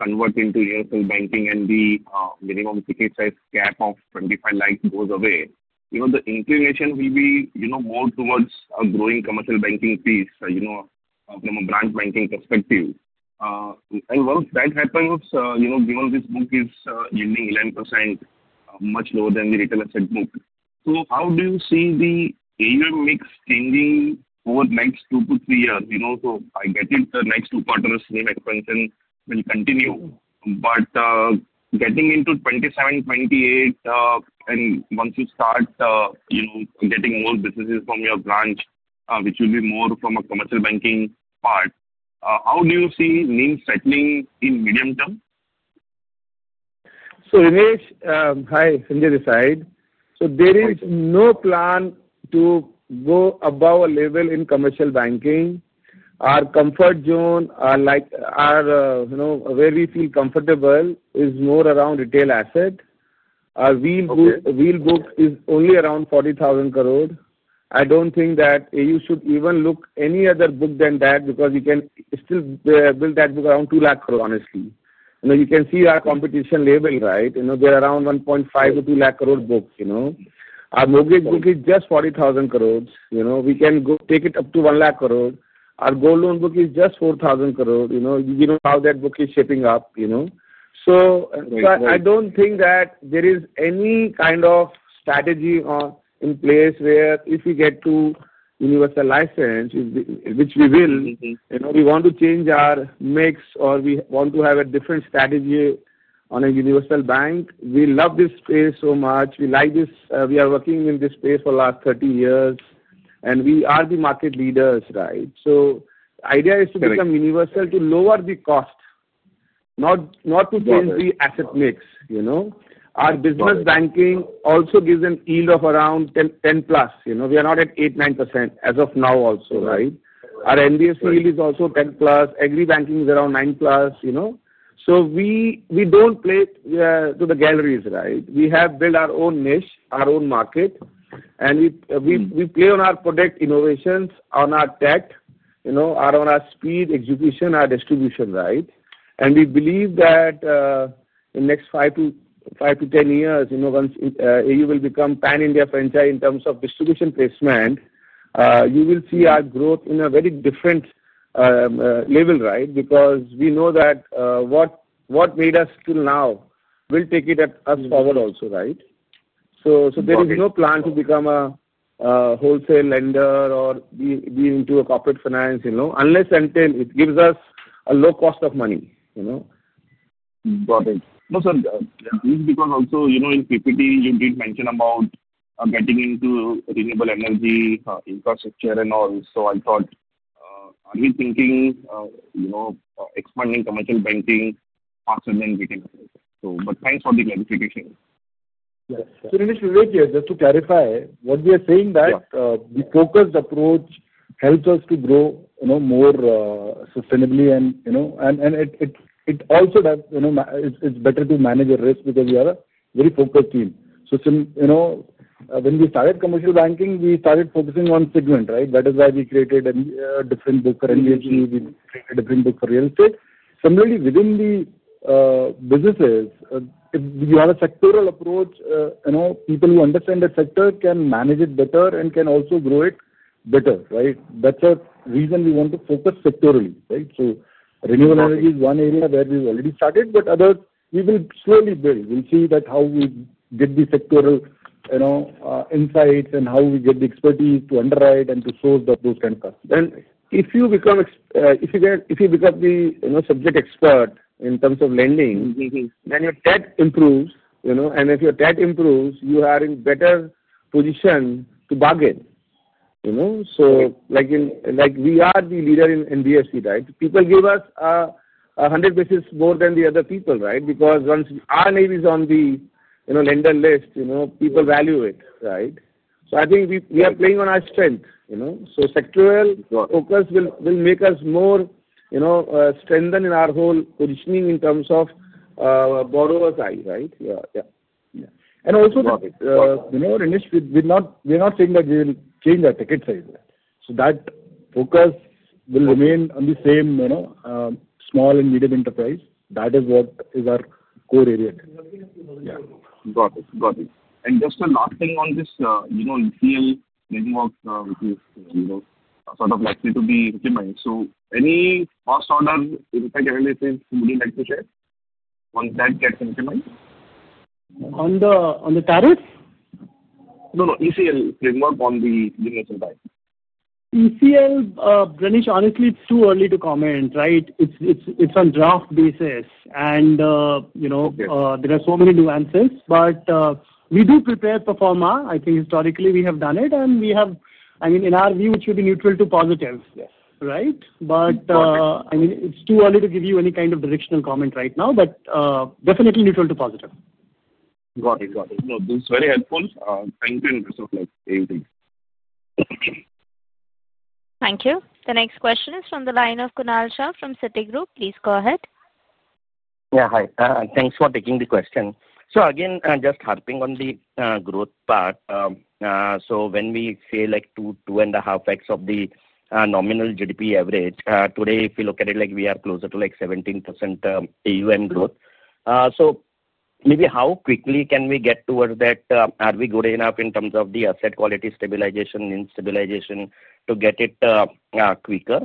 convert into universal banking and the minimum ticket size cap of 2.5 million goes away, the inclination will be more towards a growing commercial banking piece from a branch banking perspective. Once that happens, given this book is yielding 11%, much lower than the retail asset book, how do you see the AUM mix changing over the next two to three years? I get it, the next two quarters, NIM expansion will continue. Getting into 2027, 2028, and once you start getting more businesses from your branch, which will be more from a commercial banking part, how do you see NIM settling in the medium term? Ramesh, hi, Sanjay Desai. There is no plan to go above a level in commercial banking. Our comfort zone, like, our, you know, where we feel comfortable is more around retail asset. Our wheel book is only around 40,000 crore. I don't think that you should even look at any other book than that because we can still build that book around 2 lakh crore, honestly. You can see our competition level, right? They're around 1.5-2 lakh crore books. Our mortgage book is just 40,000 crore. We can go take it up to 1 lakh crore. Our gold loan book is just 4,000 crore. You know how that book is shaping up. I don't think that there is any kind of strategy in place where if we get to universal license, which we will, we want to change our mix or we want to have a different strategy on a universal bank. We love this space so much. We like this. We are working in this space for the last 30 years. We are the market leaders, right? The idea is to become universal to lower the cost, not to change the asset mix. Our business banking also gives a yield of around 10% plus. We are not at 8%, 9% as of now also, right? Our NBS yield is also 10% plus. Agri banking is around 9% plus. We don't play to the galleries, right? We have built our own niche, our own market. We play on our product innovations, on our tech, or on our speed execution, our distribution, right? We believe that, in the next 5-10 years, once you will become Pan-India franchise in terms of distribution placement, you will see our growth in a very different level, right? We know that what made us till now will take us forward also, right? There is no plan to become a wholesale lender or be into a corporate finance, unless and until it gives us a low cost of money. Got it. No, sir. Yeah, it's because also, you know, in PPT, you did mention about getting into renewable energy infrastructure and all. I thought, are we thinking, you know, expanding commercial banking faster than we can? Thanks for the clarification. Yes. Ramesh, Vivek, just to clarify, what we are saying is that the focused approach helps us to grow more sustainably. It also does, you know, it's better to manage risk because we are a very focused team. When we started commercial banking, we started focusing on segment, right? That is why we created a different book for NBHC. We created a different book for real estate. Similarly, within the businesses, if you have a sectoral approach, people who understand that sector can manage it better and can also grow it better, right? That's a reason we want to focus sectorally, right? Renewable energy is one area where we've already started, but others we will slowly build. We'll see how we get the sectoral insights and how we get the expertise to underwrite and to source those kinds of customers. If you become the subject expert in terms of lending, then your tech improves. If your tech improves, you are in a better position to bargain. Like, we are the leader in NBFC, right? People give us 100 bps more than the other people, right? Because once our name is on the lender list, people value it, right? I think we are playing on our strength. Sectoral focus will make us more strengthened in our whole positioning in terms of the borrower's eye, right? Yeah. Yeah. Also, Ramesh, we're not saying that we will change our ticket size. That focus will remain on the same small and medium enterprise. That is what is our core area there. Got it. Got it. Just a last thing on this, retail lending works, which is sort of likely to be recognized. Any first order in the tech analysis would you like to share once that gets recognized? On the tariffs? No, no. ECL framework on the universal bank. ECL, Ramesh, honestly, it's too early to comment, right? It's on a draft basis. You know, there are so many nuances, but we do prepare performa. I think historically we have done it. In our view, it should be neutral to positive, right? It's too early to give you any kind of directional comment right now, but definitely neutral to positive. Got it. Got it. No, this is very helpful. Thank you in terms of like AU Small Finance Bank things. Thank you. The next question is from the line of Kunal Shah from Citi Group. Please go ahead. Yeah, hi. Thanks for taking the question. Again, just harping on the growth part. When we say like two and a half X of the nominal GDP average, today if we look at it, we are closer to 17% AUM growth. Maybe how quickly can we get towards that? Are we good enough in terms of the asset quality stabilization, NIM stabilization to get it quicker?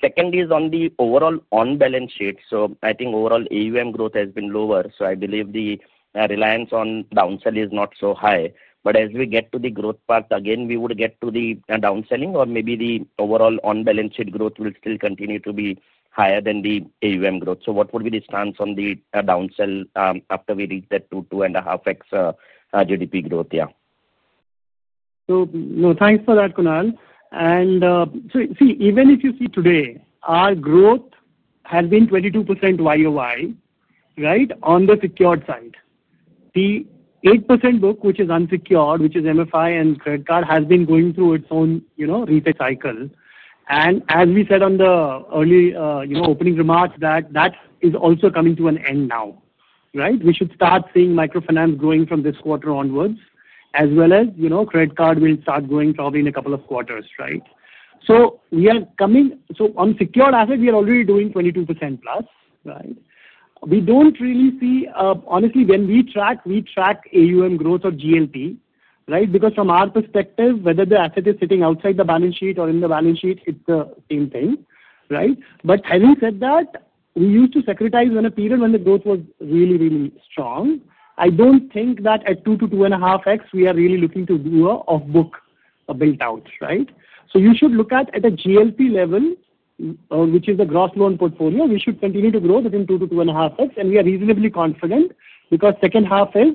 Second is on the overall on-balance sheet. I think overall AUM growth has been lower. I believe the reliance on downsell is not so high. As we get to the growth path again, we would get to the downselling or maybe the overall on-balance sheet growth will still continue to be higher than the AUM growth. What would be the stance on the downsell after we reach that two and a half X GDP growth? Thank you for that, Kunal. Even if you see today, our growth has been 22% YoY on the secured side. The 8% book, which is unsecured, which is microfinance and credit cards, has been going through its own refit cycle. As we said in the early opening remarks, that is also coming to an end now. We should start seeing microfinance growing from this quarter onwards, as well as credit cards will start growing probably in a couple of quarters. We are coming, so on secured assets, we are already doing 22% plus. We don't really see, honestly, when we track, we track AUM growth or GLP, because from our perspective, whether the asset is sitting outside the balance sheet or in the balance sheet, it's the same thing. Having said that, we used to securitize in a period when the growth was really, really strong. I don't think that at two to two and a half times, we are really looking to do an off-book build-out. You should look at a GLP level, which is the gross loan portfolio. We should continue to grow within two to two and a half times. We are reasonably confident because the second half is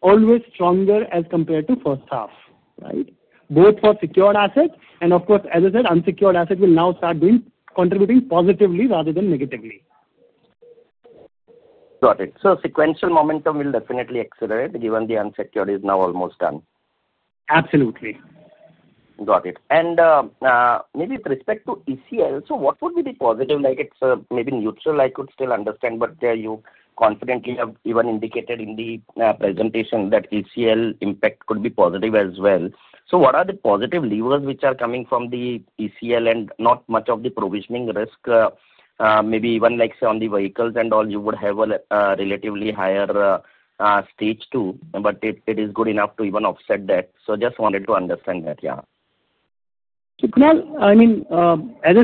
always stronger as compared to the first half, both for secured assets. As I said, unsecured assets will now start contributing positively rather than negatively. Got it. Sequential momentum will definitely accelerate given the unsecured is now almost done. Absolutely. Got it. Maybe with respect to ECL, what would be the positive? It's maybe neutral, I could still understand, but you confidently have even indicated in the presentation that ECL impact could be positive as well. What are the positive levers which are coming from the ECL and not much of the provisioning risk? Maybe even like say on the vehicles and all, you would have a relatively higher stage two, but it is good enough to even offset that. Just wanted to understand that. Yeah. As I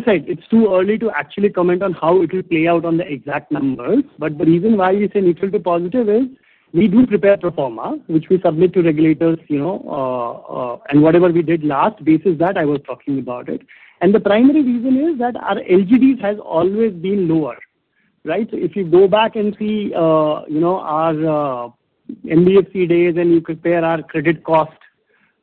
said, it's too early to actually comment on how it will play out on the exact numbers. The reason why we say neutral to positive is we do prepare pro forma, which we submit to regulators, and whatever we did last basis that I was talking about it. The primary reason is that our LGDs have always been lower, right? If you go back and see our NBFC days and you compare our credit cost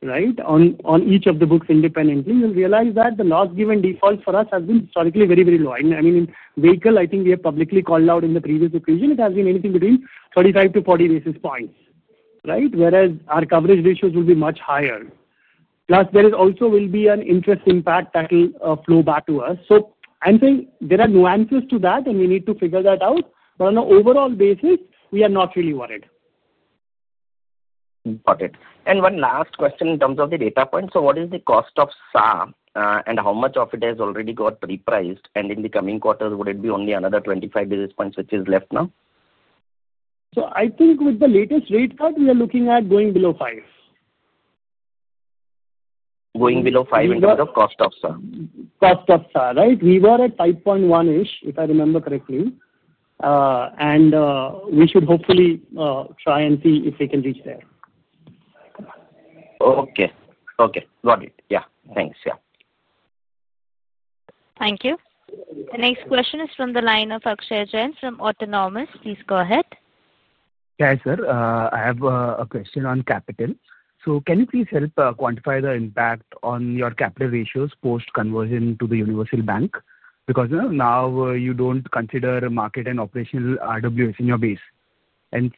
on each of the books independently, you'll realize that the loss given default for us has been historically very, very low. In vehicle, I think we have publicly called out in the previous equation, it has been anything between 35-40 bps, whereas our coverage ratios will be much higher. There also will be an interest impact that will flow back to us. I'm saying there are nuances to that, and we need to figure that out. On an overall basis, we are not really worried. Got it. One last question in terms of the data points. What is the cost of SA and how much of it has already got repriced? In the coming quarters, would it be only another 25 bps which is left now? I think with the latest rate cut, we are looking at going below 5%. Going below 5% in terms of cost of savings accounts? Cost of SA, right? We were at 5.1%, if I remember correctly. We should hopefully try and see if we can reach there. Okay. Got it. Yeah. Thanks. Yeah. Thank you. The next question is from the line of Akshay Jain from Autonomist. Please go ahead. Yeah, sir. I have a question on capital. Can you please help quantify the impact on your capital ratios post-conversion to the universal bank? Because now you don't consider market and operational RWS in your base.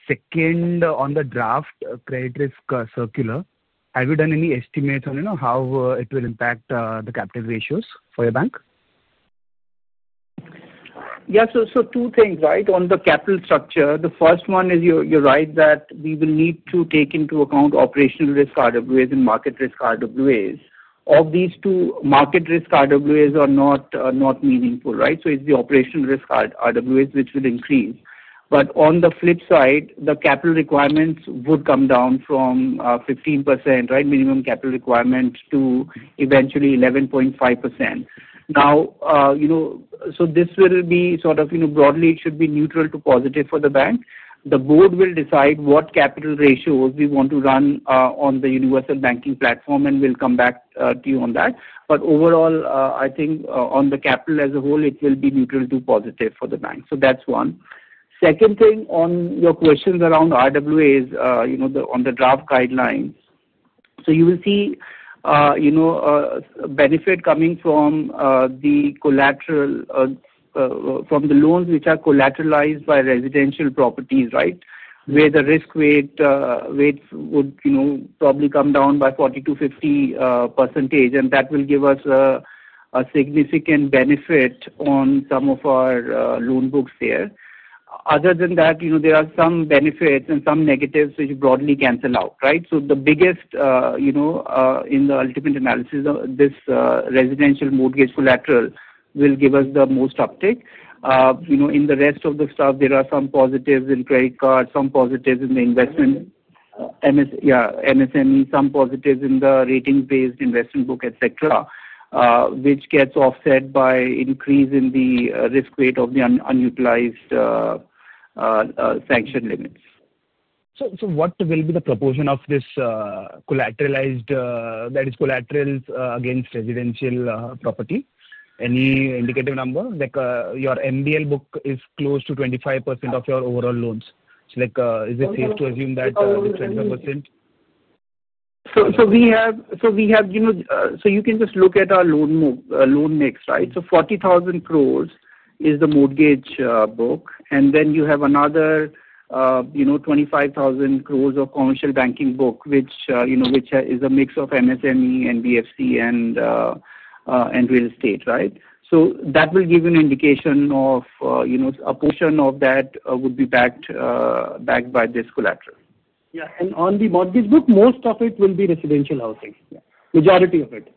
Second, on the draft credit risk circular, have you done any estimates on how it will impact the capital ratios for your bank? Yeah. Two things, right? On the capital structure, the first one is you're right that we will need to take into account operational risk RWAs and market risk RWAs. Of these two, market risk RWAs are not meaningful, right? It's the operational risk RWAs which will increase. On the flip side, the capital requirements would come down from 15% minimum capital requirement to eventually 11.5%. This will be sort of, you know, broadly, it should be neutral to positive for the bank. The board will decide what capital ratios we want to run on the universal banking platform, and we'll come back to you on that. Overall, I think on the capital as a whole, it will be neutral to positive for the bank. That's one. Second thing on your questions around RWAs, on the draft guidelines, you will see a benefit coming from the collateral, from the loans which are collateralized by residential properties, right? Where the risk rates would probably come down by 40-50%. That will give us a significant benefit on some of our loan books there. Other than that, there are some benefits and some negatives which broadly cancel out, right? The biggest, in the ultimate analysis of this, residential mortgage collateral will give us the most uptake. In the rest of the stuff, there are some positives in credit cards, some positives in the investment, MSME, some positives in the rating-based investment book, etc., which gets offset by an increase in the risk rate of the unutilized sanction limits. What will be the proportion of this collateralized, that is, collateral against residential property? Any indicative number? Like your MBL book is close to 25% of your overall loans. Is it safe to assume that 25%? You can just look at our loan mix, right? 40,000 crore is the mortgage book, and then you have another 25,000 crore of commercial banking book, which is a mix of MSME, NBFC, and real estate, right? That will give you an indication of a portion of that being backed by this collateral. On the mortgage book, most of it will be residential housing, the majority of it.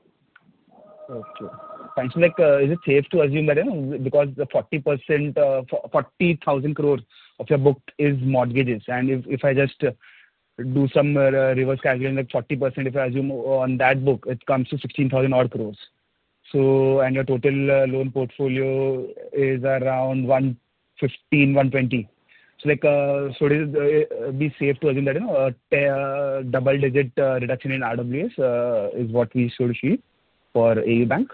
Okay. Thanks. Is it safe to assume that, you know, because 40%, 40,000 crores of your book is mortgages? If I just do some reverse calculation, like 40%, if I assume on that book, it comes to 16,000 odd crores. Your total loan portfolio is around 115,000, INR 120,000. It would be safe to assume that, you know, a double-digit reduction in RWAs is what we should achieve for AU Small Finance Bank?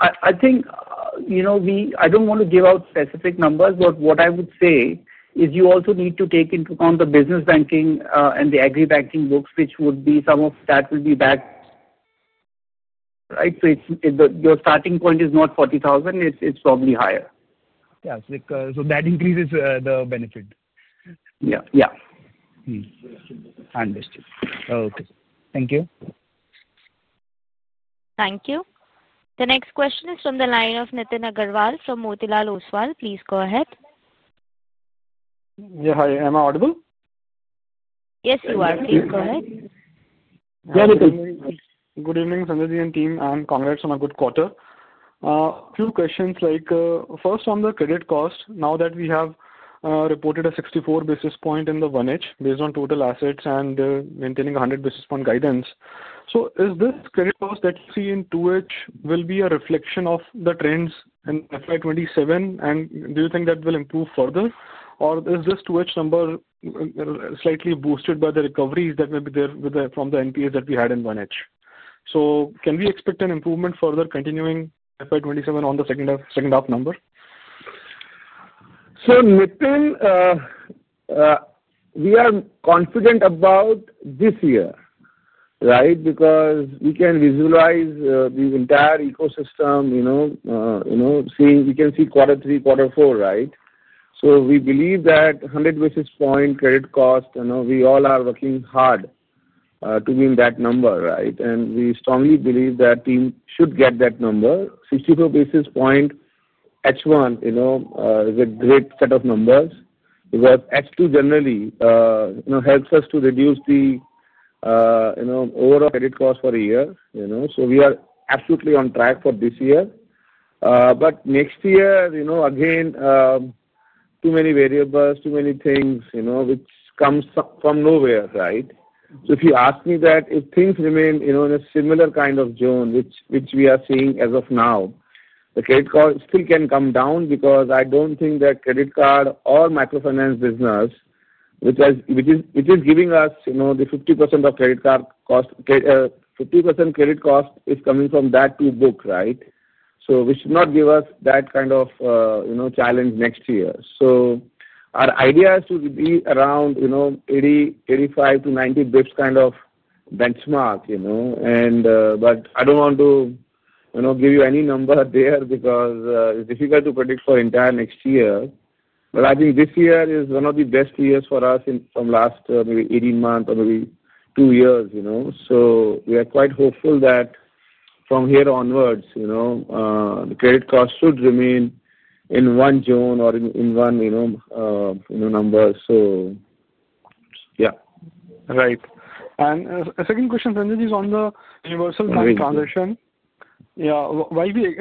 I think I don't want to give out specific numbers, but what I would say is you also need to take into account the business banking and the agri banking books, which would be some of that will be backed, right? Your starting point is not 40,000. It's probably higher. Yeah, that increases the benefit. Yeah. Yeah. Understood. Okay, thank you. Thank you. The next question is from the line of Nithin Agarwal from Motilal Oswal. Please go ahead. Yeah, hi. Am I audible? Yes, you are. Please go ahead. Yeah, Nithin. Good evening, Sanjay and team, and congrats on a good quarter. A few questions. First, on the credit cost, now that we have reported a 64 bps in the H1 based on total assets and maintaining 100 bps guidance. Is this credit cost that you see in H2 going to be a reflection of the trends in FY27? Do you think that will improve further? Is this H2 number slightly boosted by the recoveries that may be there from the NPAs that we had in H1? Can we expect an improvement further continuing FY27 on the second half number? Nithin, we are confident about this year, right? Because we can visualize the entire ecosystem, you know, we can see quarter three, quarter four, right? We believe that 100 bps credit cost, you know, we all are working hard to be in that number, right? We strongly believe that team should get that number. 64 bps H1, you know, is a great set of numbers because H2 generally, you know, helps us to reduce the overall credit cost for a year. We are absolutely on track for this year. Next year, you know, again, too many variables, too many things, you know, which come from nowhere, right? If you ask me that, if things remain, you know, in a similar kind of zone, which we are seeing as of now, the credit card still can come down because I don't think that credit card or microfinance business, which is giving us, you know, the 50% of credit card cost, 50% credit cost is coming from that two books, right? Which should not give us that kind of, you know, challenge next year. Our idea is to be around, you know, 80, 85-90 bps kind of benchmark, you know. I don't want to, you know, give you any number there because it's difficult to predict for the entire next year. I think this year is one of the best years for us from last maybe 18 months or maybe two years, you know. We are quite hopeful that from here onwards, you know, the credit cost should remain in one zone or in one, you know, numbers. Yeah. Right. A second question, Sanjay, is on the universal bank transition. Why we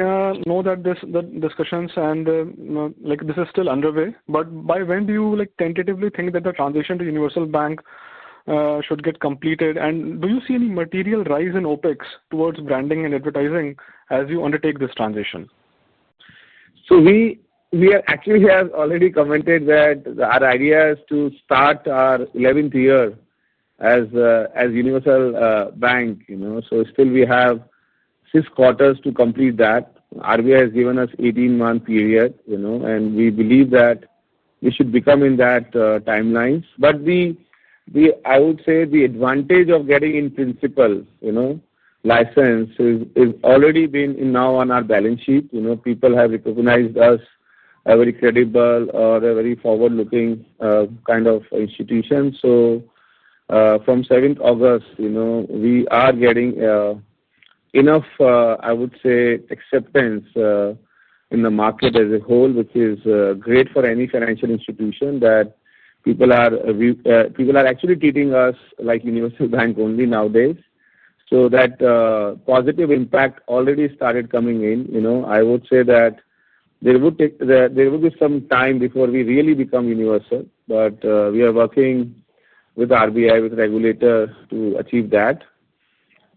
know that this discussion is still underway, by when do you like tentatively think that the transition to universal bank should get completed? Do you see any material rise in OPEX towards branding and advertising as you undertake this transition? We actually have already commented that our idea is to start our 11th year as a universal bank. We still have six quarters to complete that. The Reserve Bank of India has given us an 18-month period, and we believe that we should become in that timeline. The advantage of getting in-principle license has already been in now on our balance sheet. People have recognized us as a very credible or a very forward-looking kind of institution. From 7th August, we are getting enough acceptance in the market as a whole, which is great for any financial institution that people are actually treating us like a universal bank only nowadays. That positive impact already started coming in. I would say that it would take some time before we really become universal, but we are working with the Reserve Bank of India, with the regulator, to achieve that.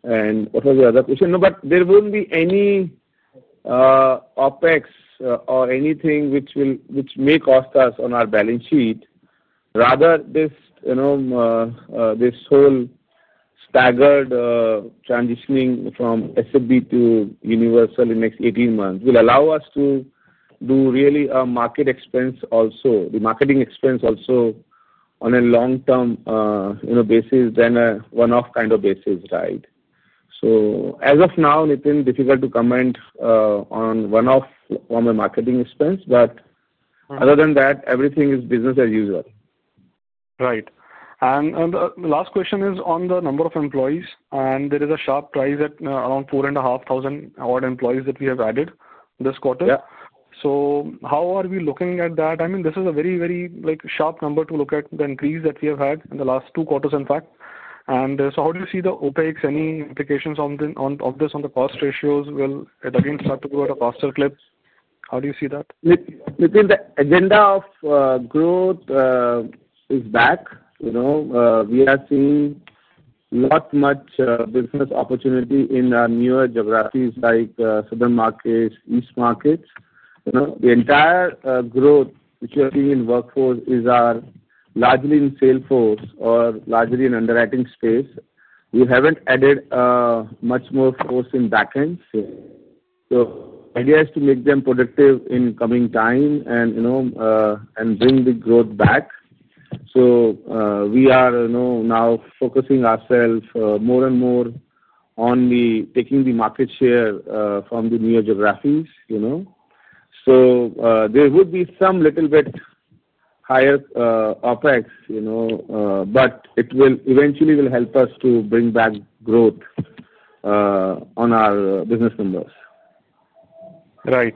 What was the other question? There won't be any OpEx or anything which may cost us on our balance sheet. Rather, this whole staggered transitioning from SFB to universal in the next 18 months will allow us to do really a market expense also, the marketing expense also on a long-term basis than a one-off kind of basis, right? As of now, Nithin, difficult to comment on one-off form of marketing expense, but other than that, everything is business as usual. Right. The last question is on the number of employees. There is a sharp rise at around 4,500-odd employees that we have added this quarter. Yeah. How are we looking at that? I mean, this is a very, very sharp number to look at the increase that we have had in the last two quarters, in fact. How do you see the OPEX, any implications on this on the cost ratios? Will it again start to go at a faster clip? How do you see that? Nithin, the agenda of growth is back. We are seeing not much business opportunity in our newer geographies like South India, East India. The entire growth, which you're seeing in workforce, is largely in salesforce or largely in underwriting space. We haven't added much more force in backend. The idea is to make them productive in coming time and bring the growth back. We are now focusing ourselves more and more on taking the market share from the newer geographies. There would be some little bit higher OPEX, but it will eventually help us to bring back growth on our business numbers. Right.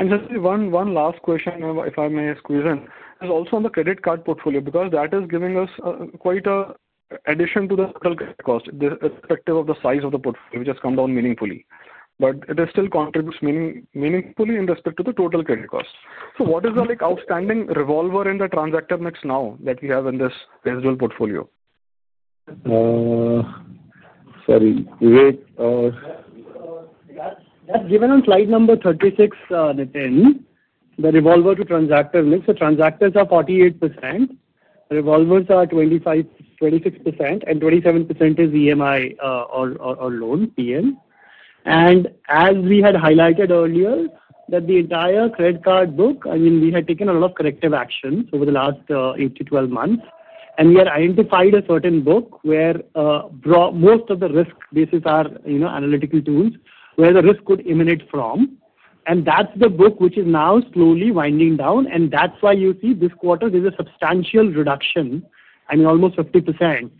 Just one last question, if I may squeeze in, is also on the credit card portfolio because that is giving us quite an addition to the total credit cost, the perspective of the size of the portfolio, which has come down meaningfully. It still contributes meaningfully in respect to the total credit cost. What is the like outstanding revolver in the transactor mix now that we have in this residual portfolio? Sorry, Vivek. That's given on slide number 36, Nithin. The revolver to transactor mix, the transactors are 48%. The revolvers are 25%, 26%, and 27% is EMI or loan PM. As we had highlighted earlier, the entire credit card book, I mean, we had taken a lot of corrective actions over the last 8-12 months. We had identified a certain book where most of the risk basis are, you know, analytical tools where the risk could emanate from. That's the book which is now slowly winding down. That's why you see this quarter is a substantial reduction, almost 50%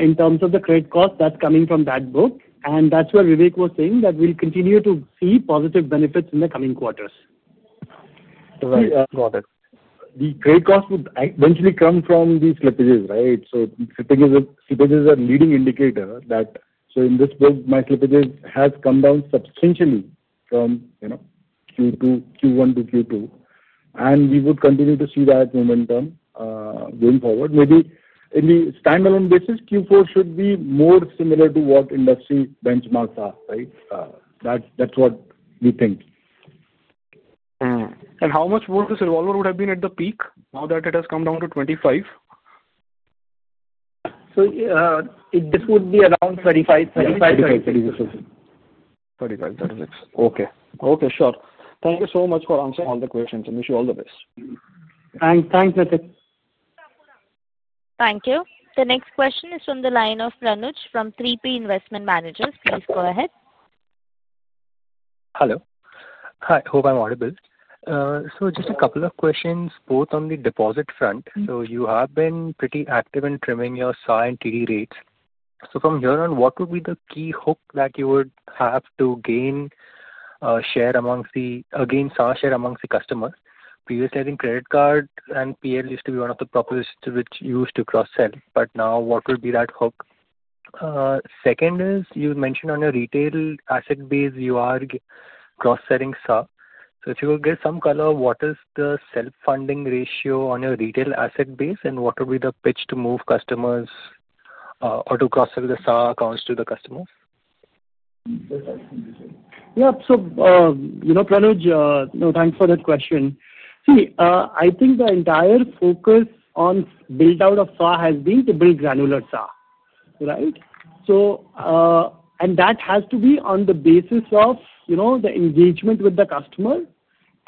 in terms of the credit cost that's coming from that book. That's where Vivek was saying that we'll continue to see positive benefits in the coming quarters. Right. Got it. The credit cost would eventually come from these slippages, right? Slippages are a leading indicator that, so in this book, my slippages have come down substantially from, you know, Q1 to Q2, and we would continue to see that momentum going forward. Maybe on a standalone basis, Q4 should be more similar to what industry benchmarks are, right? That's what we think. How much more this revolver would have been at the peak now that it has come down to 25? This would be around 35, 35, 36. 35, 36, 35, 36. Okay. Thank you so much for answering all the questions. I wish you all the best. Thanks, Nitin. Thank you. The next question is from the line of Ranuj from 3P Investment Managers. Please go ahead. Hello. Hi, I hope I'm audible. Just a couple of questions, both on the deposit front. You have been pretty active in trimming your SA and TD rates. From here on, what would be the key hook that you would have to gain share amongst the, again, SA share amongst the customers? Previously, I think credit cards and PL used to be one of the propositions which you used to cross-sell, but now what would be that hook? Second is you mentioned on your retail asset base, you are cross-selling SA. If you could get some color of what is the self-funding ratio on your retail asset base and what would be the pitch to move customers, or to cross-sell the SA accounts to the customers? Yeah. So, you know, Pranuj, no, thanks for that question. I think the entire focus on build-out of SA has been to build granular SA, right? That has to be on the basis of the engagement with the customer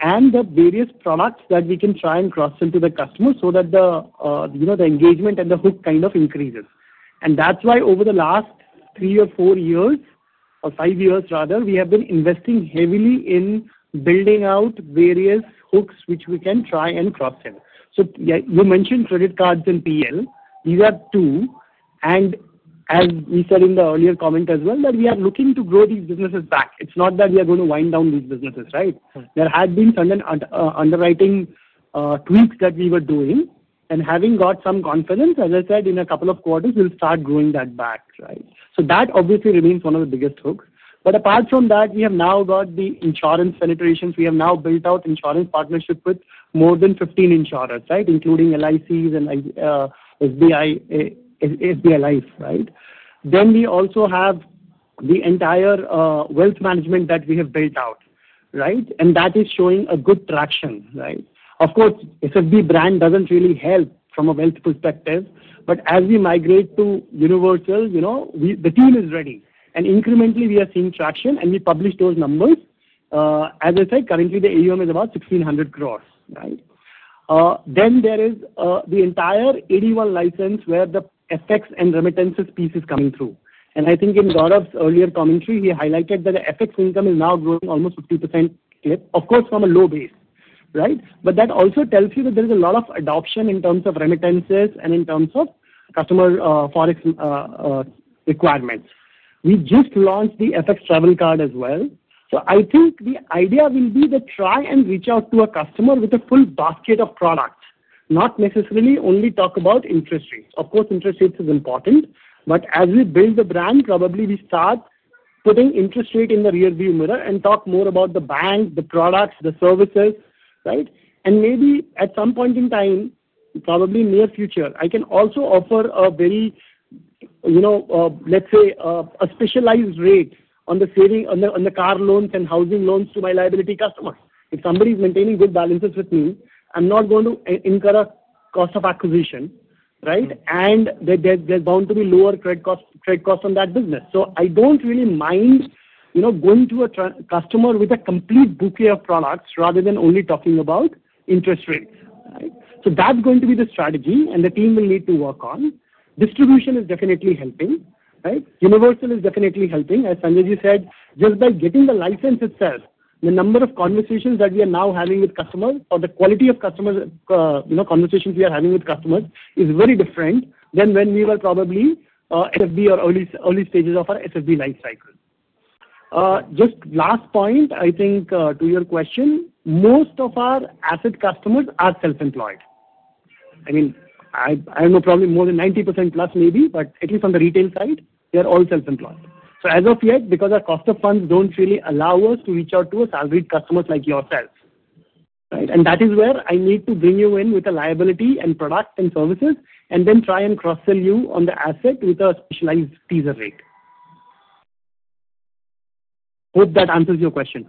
and the various products that we can try and cross-sell to the customer so that the engagement and the hook kind of increases. That's why over the last three or four years, or five years rather, we have been investing heavily in building out various hooks which we can try and cross-sell. You mentioned credit cards and PL. These are two. As we said in the earlier comment as well, we are looking to grow these businesses back. It's not that we are going to wind down these businesses, right? There had been some underwriting tweaks that we were doing. Having got some confidence, as I said, in a couple of quarters, we'll start growing that back, right? That obviously remains one of the biggest hooks. Apart from that, we have now got the insurance penetration. We have now built out insurance partnerships with more than 15 insurers, right, including LIC and SBI Life, right? We also have the entire wealth management that we have built out, right? That is showing a good traction, right? Of course, SFB brand doesn't really help from a wealth perspective. As we migrate to universal, you know, the team is ready. Incrementally, we are seeing traction. We publish those numbers. As I said, currently, the AUM is about 1,600 crore, right? There is the entire AD1 license where the FX and remittances piece is coming through. I think in Gaurav's earlier commentary, he highlighted that the FX income is now growing almost 50%. Of course, from a low base, right? That also tells you that there is a lot of adoption in terms of remittances and in terms of customer forex requirements. We just launched the FX travel card as well. I think the idea will be to try and reach out to a customer with a full basket of products, not necessarily only talk about interest rates. Of course, interest rates are important. As we build the brand, probably we start putting interest rate in the rearview mirror and talk more about the bank, the products, the services, right? Maybe at some point in time, probably near future, I can also offer a very, you know, let's say, a specialized rate on the saving on the car loans and housing loans to my liability customers. If somebody is maintaining good balances with me, I'm not going to incur a cost of acquisition, right? There's bound to be lower credit costs on that business. I don't really mind going to a customer with a complete bouquet of products rather than only talking about interest rates, right? That's going to be the strategy the team will need to work on. Distribution is definitely helping, right? Universal is definitely helping. As Sanjay said, just by getting the license itself, the number of conversations that we are now having with customers or the quality of conversations we are having with customers is very different than when we were probably in the early stages of our SSB life cycle. Just last point, I think to your question, most of our asset customers are self-employed. I mean, I don't know, probably more than 90% plus maybe, but at least on the retail side, they're all self-employed. As of yet, because our cost of funds don't really allow us to reach out to our salaried customers like yourselves, right? That is where I need to bring you in with a liability and product and services and then try and cross-sell you on the asset with a specialized teaser rate. Hope that answers your question.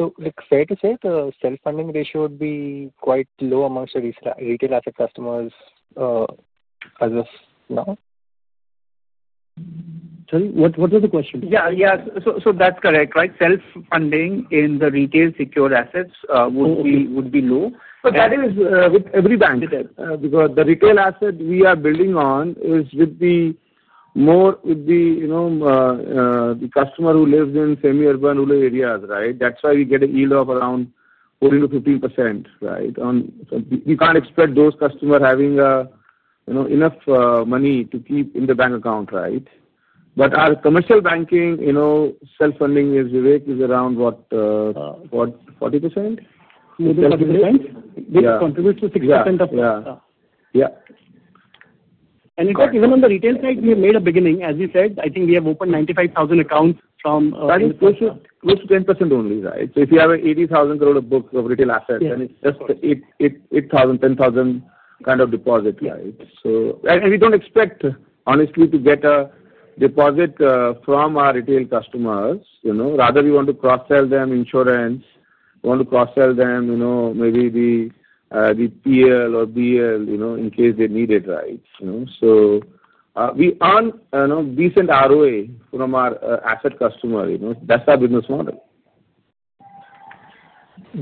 Okay. Fair to say the self-funding ratio would be quite low amongst the retail asset customers as of now? Sorry, what was the question? Yeah, yeah. That's correct, right? Self-funding in the retail secured assets would be low. That is with every bank because the retail asset we are building on is with the customer who lives in semi-urban rural areas, right? That's why we get a yield of around 14% to 15%, right? We can't expect those customers having enough money to keep in the bank account, right? Our commercial banking self-funding is around, what, 40%? More than 40%? Yeah. This contributes to 60% of the savings accounts? Yeah. In fact, even on the retail side, we have made a beginning. As you said, I think we have opened 95,000 accounts. That is close to 10% only, right? If you have an 80,000 crore book of retail assets, then it's just an 8,000, 10,000 kind of deposit, right? We don't expect, honestly, to get a deposit from our retail customers. Rather, we want to cross-sell them insurance. We want to cross-sell them, maybe the PL or BL, in case they need it, right? We earn a decent ROI from our asset customers. That's our business model.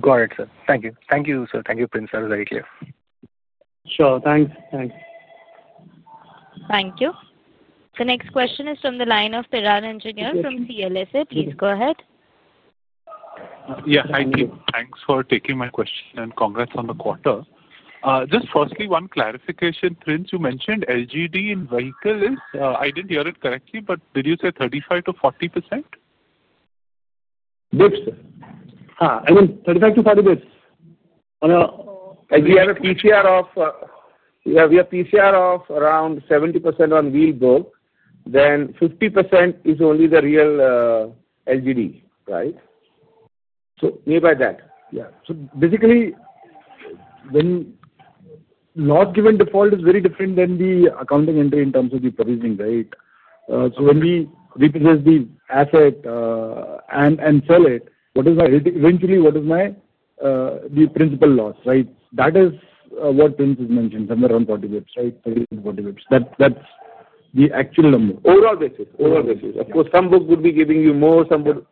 Got it, sir. Thank you. Thank you, sir. Thank you, Prince. That was very clear. Sure, thanks. Thanks. Thank you. The next question is from the line of Teral Engineer from CLSA. Please go ahead. Yes, thank you. Thanks for taking my question and congrats on the quarter. Just firstly, one clarification. Prince, you mentioned LGD in vehicles. I didn't hear it correctly, but did you say 35 to 40%? Bps, sir. I mean, 35-40 bps. We have a PCR of, yeah, we have a PCR of around 70% on wheel go. Then 50% is only the real, LGD, right? So nearby that, yeah. Basically, when loss given default is very different than the accounting entry in terms of the provisioning, right? When we repurchase the asset and sell it, what is my eventually, what is my, the principal loss, right? That is what Prince has mentioned, somewhere around 40 bps, right? 30-40 bps. That's the actual number. Overall basis. Of course, some book would be giving you more, some would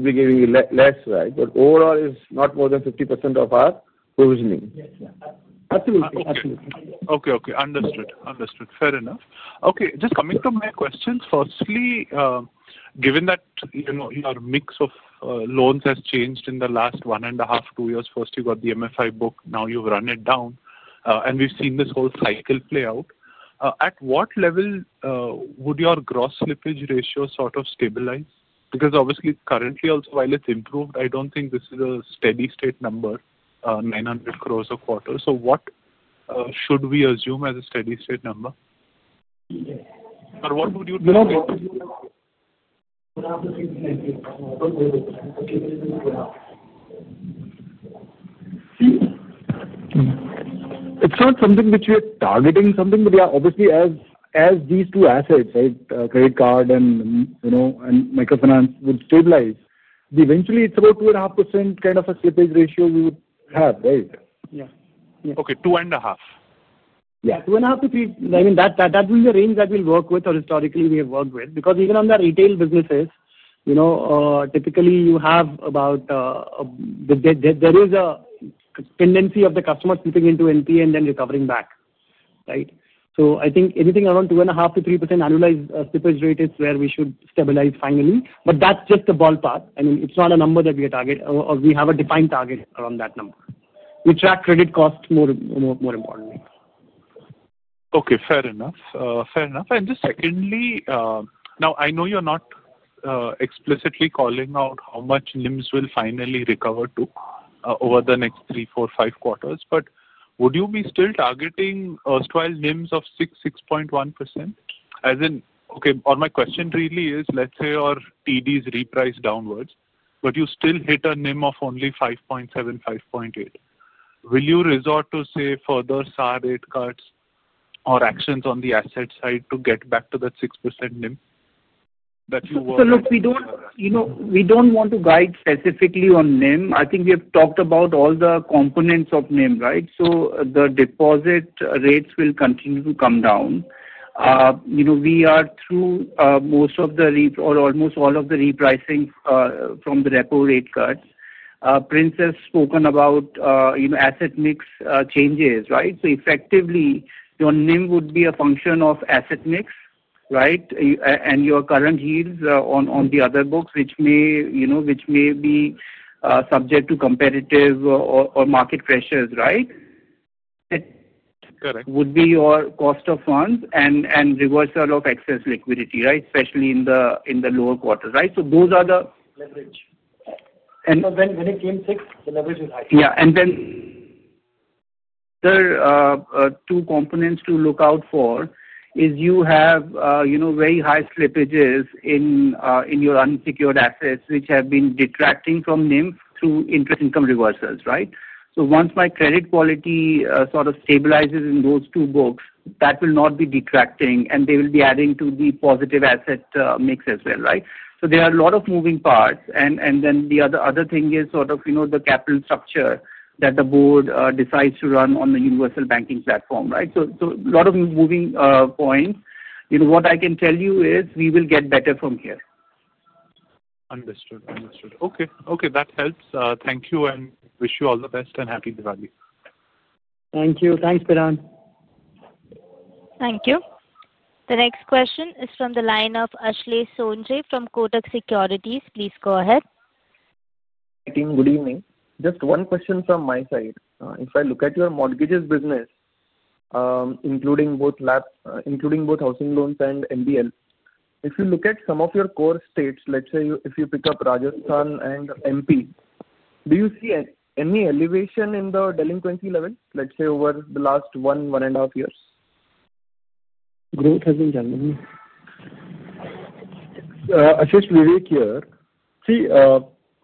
be giving you less, right? Overall, it's not more than 50% of our provisioning. Yes, absolutely. Absolutely. Okay. Understood. Fair enough. Just coming to my questions. Firstly, given that you know your mix of loans has changed in the last one and a half, two years, first you got the microfinance book, now you've run it down, and we've seen this whole cycle play out. At what level would your gross slippage ratio sort of stabilize? Because obviously, currently, also while it's improved, I don't think this is a steady state number, 900 crore a quarter. What should we assume as a steady state number? Or what would you? It's not something which we are targeting, but yeah, obviously, as these two assets, right, credit cards and, you know, microfinance would stabilize, eventually, it's about 2.5% kind of a slippage ratio we would have, right? Yeah. Okay. Two and a half. Yeah, two and a half to three. I mean, that will be a range that we'll work with or historically we have worked with because even on the retail businesses, you know, typically, you have about, there is a tendency of the customer slipping into NP and then recovering back, right? I think anything around 2.5%-3% annualized slippage rate is where we should stabilize finally. That's just a ballpark. I mean, it's not a number that we have targeted or we have a defined target around that number. We track credit costs more, more importantly. Okay. Fair enough. Just secondly, now I know you're not explicitly calling out how much NIMs will finally recover to over the next three, four, five quarters, but would you be still targeting erstwhile NIMs of 6, 6.1%? As in, okay, or my question really is, let's say our TDs reprice downwards, but you still hit a NIM of only 5.7, 5.8%. Will you resort to, say, further SA rate cuts or actions on the asset side to get back to that 6% NIM that you were? Look, we don't want to guide specifically on NIM. I think we have talked about all the components of NIM, right? The deposit rates will continue to come down. We are through most of the or almost all of the repricing from the repo rate cuts. Prince has spoken about asset mix changes, right? Effectively, your NIM would be a function of asset mix, right? Your current yields on the other books, which may be subject to competitive or market pressures, right? Correct. Would be your cost of funds and reversal of excess liquidity, right? Especially in the lower quarter, right? So those are the. Leverage, and when it came 6, the leverage was high. Yeah. Two components to look out for are you have very high slippages in your unsecured assets, which have been detracting from NIM through interest income reversals, right? Once my credit quality sort of stabilizes in those two books, that will not be detracting, and they will be adding to the positive asset mix as well, right? There are a lot of moving parts. The other thing is the capital structure that the board decides to run on the universal banking platform, right? A lot of moving points. What I can tell you is we will get better from here. Understood. Okay. That helps. Thank you and wish you all the best and happy Diwali. Thank you. Thanks, Peran. Thank you. The next question is from the line of Ashley Soundre from Kotak Securities. Please go ahead. Good evening. Just one question from my side. If I look at your mortgages business, including both housing loans and MBL, if you look at some of your core states, let's say if you pick up Rajasthan and MP, do you see any elevation in the delinquency level, let's say, over the last one, one and a half years? Growth has been challenging. Ashish, Vivek here. See,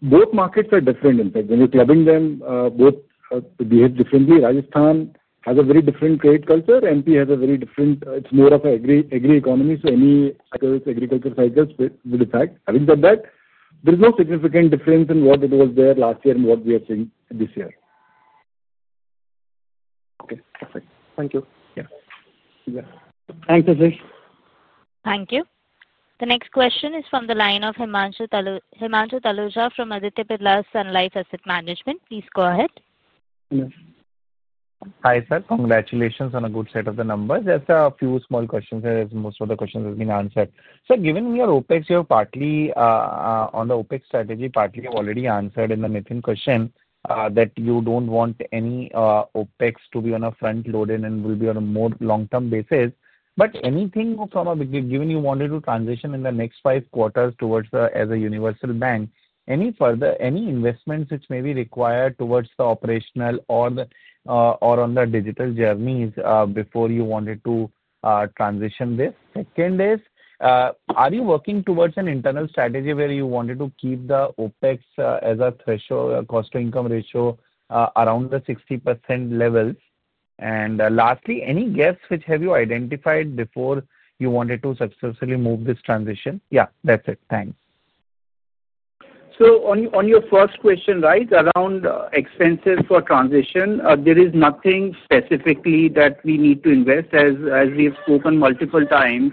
both markets are different. In fact, when you're clubbing them, both behave differently. Rajasthan has a very different trade culture. MP has a very different, it's more of an agri economy. Any agriculture cycles would impact. Having said that, there is no significant difference in what it was there last year and what we are seeing this year. Okay. Perfect. Thank you. Yeah. Thanks, Ashish. Thank you. The next question is from the line of Hemansha Taluja from Aditya Pilla Sun Life Asset Management. Please go ahead. Hi, sir. Congratulations on a good set of the numbers. Just a few small questions here as most of the questions have been answered. Sir, given your OPEX, you're partly, on the OPEX strategy, partly you've already answered in the Nitin question, that you don't want any OPEX to be on a front load and will be on a more long-term basis. Anything from a given you wanted to transition in the next five quarters towards the as a universal bank, any further, any investments which may be required towards the operational or the, or on the digital journeys, before you wanted to transition this? Second is, are you working towards an internal strategy where you wanted to keep the OPEX as a threshold cost-to-income ratio, around the 60% levels? Lastly, any guess which have you identified before you wanted to successfully move this transition? Yeah, that's it. Thanks. On your first question around expenses for transition, there is nothing specifically that we need to invest. As we have spoken multiple times,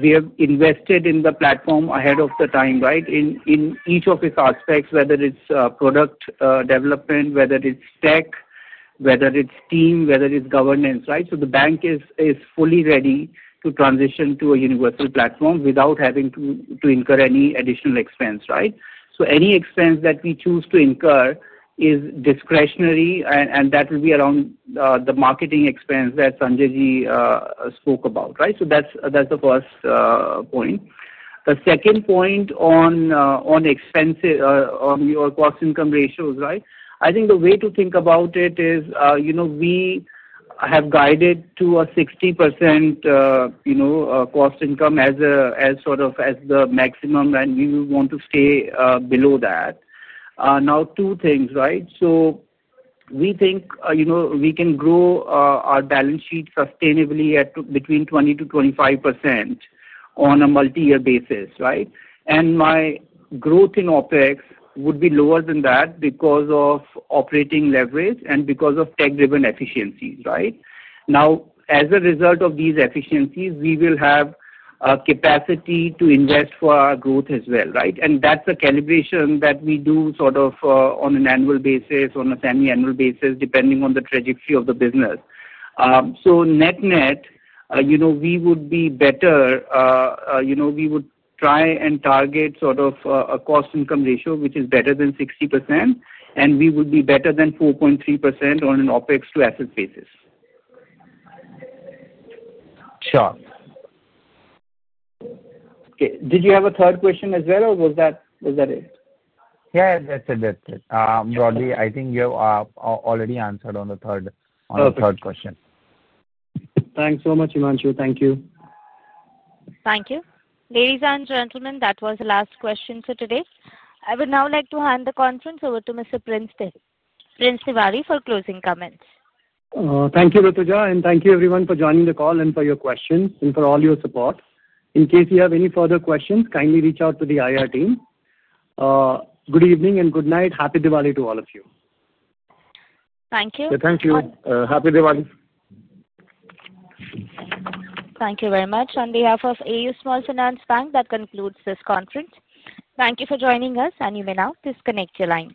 we have invested in the platform ahead of the time in each of its aspects, whether it's product development, whether it's tech, whether it's team, whether it's governance. The bank is fully ready to transition to a universal platform without having to incur any additional expense. Any expense that we choose to incur is discretionary, and that will be around the marketing expense that Sanjay spoke about. That's the first point. The second point on your cost-to-income ratios, I think the way to think about it is, we have guided to a 60% cost-to-income as the maximum, and we want to stay below that. Now, two things. We think we can grow our balance sheet sustainably at between 20%-25% on a multi-year basis, and my growth in OPEX would be lower than that because of operating leverage and because of tech-driven efficiencies. As a result of these efficiencies, we will have a capacity to invest for our growth as well, and that's a calibration that we do on an annual basis, on a semiannual basis, depending on the trajectory of the business. Net-net, we would try and target a cost-to-income ratio which is better than 60%, and we would be better than 4.3% on an OPEX to assets basis. Sure. Okay. Did you have a third question as well, or was that it? Yeah, that's it. That's it. Broadly, I think you have already answered on the third question. Thanks so much, Hemansha. Thank you. Thank you. Ladies and gentlemen, that was the last question for today. I would now like to hand the conference over to Mr. Prince Tiwari for closing comments. Thank you, Rituja, and thank you everyone for joining the call and for your questions and for all your support. In case you have any further questions, kindly reach out to the IR team. Good evening and good night. Happy Diwali to all of you. Thank you. Thank you. Happy Diwali. Thank you very much. On behalf of AU Small Finance Bank, that concludes this conference. Thank you for joining us, and you may now disconnect your lines.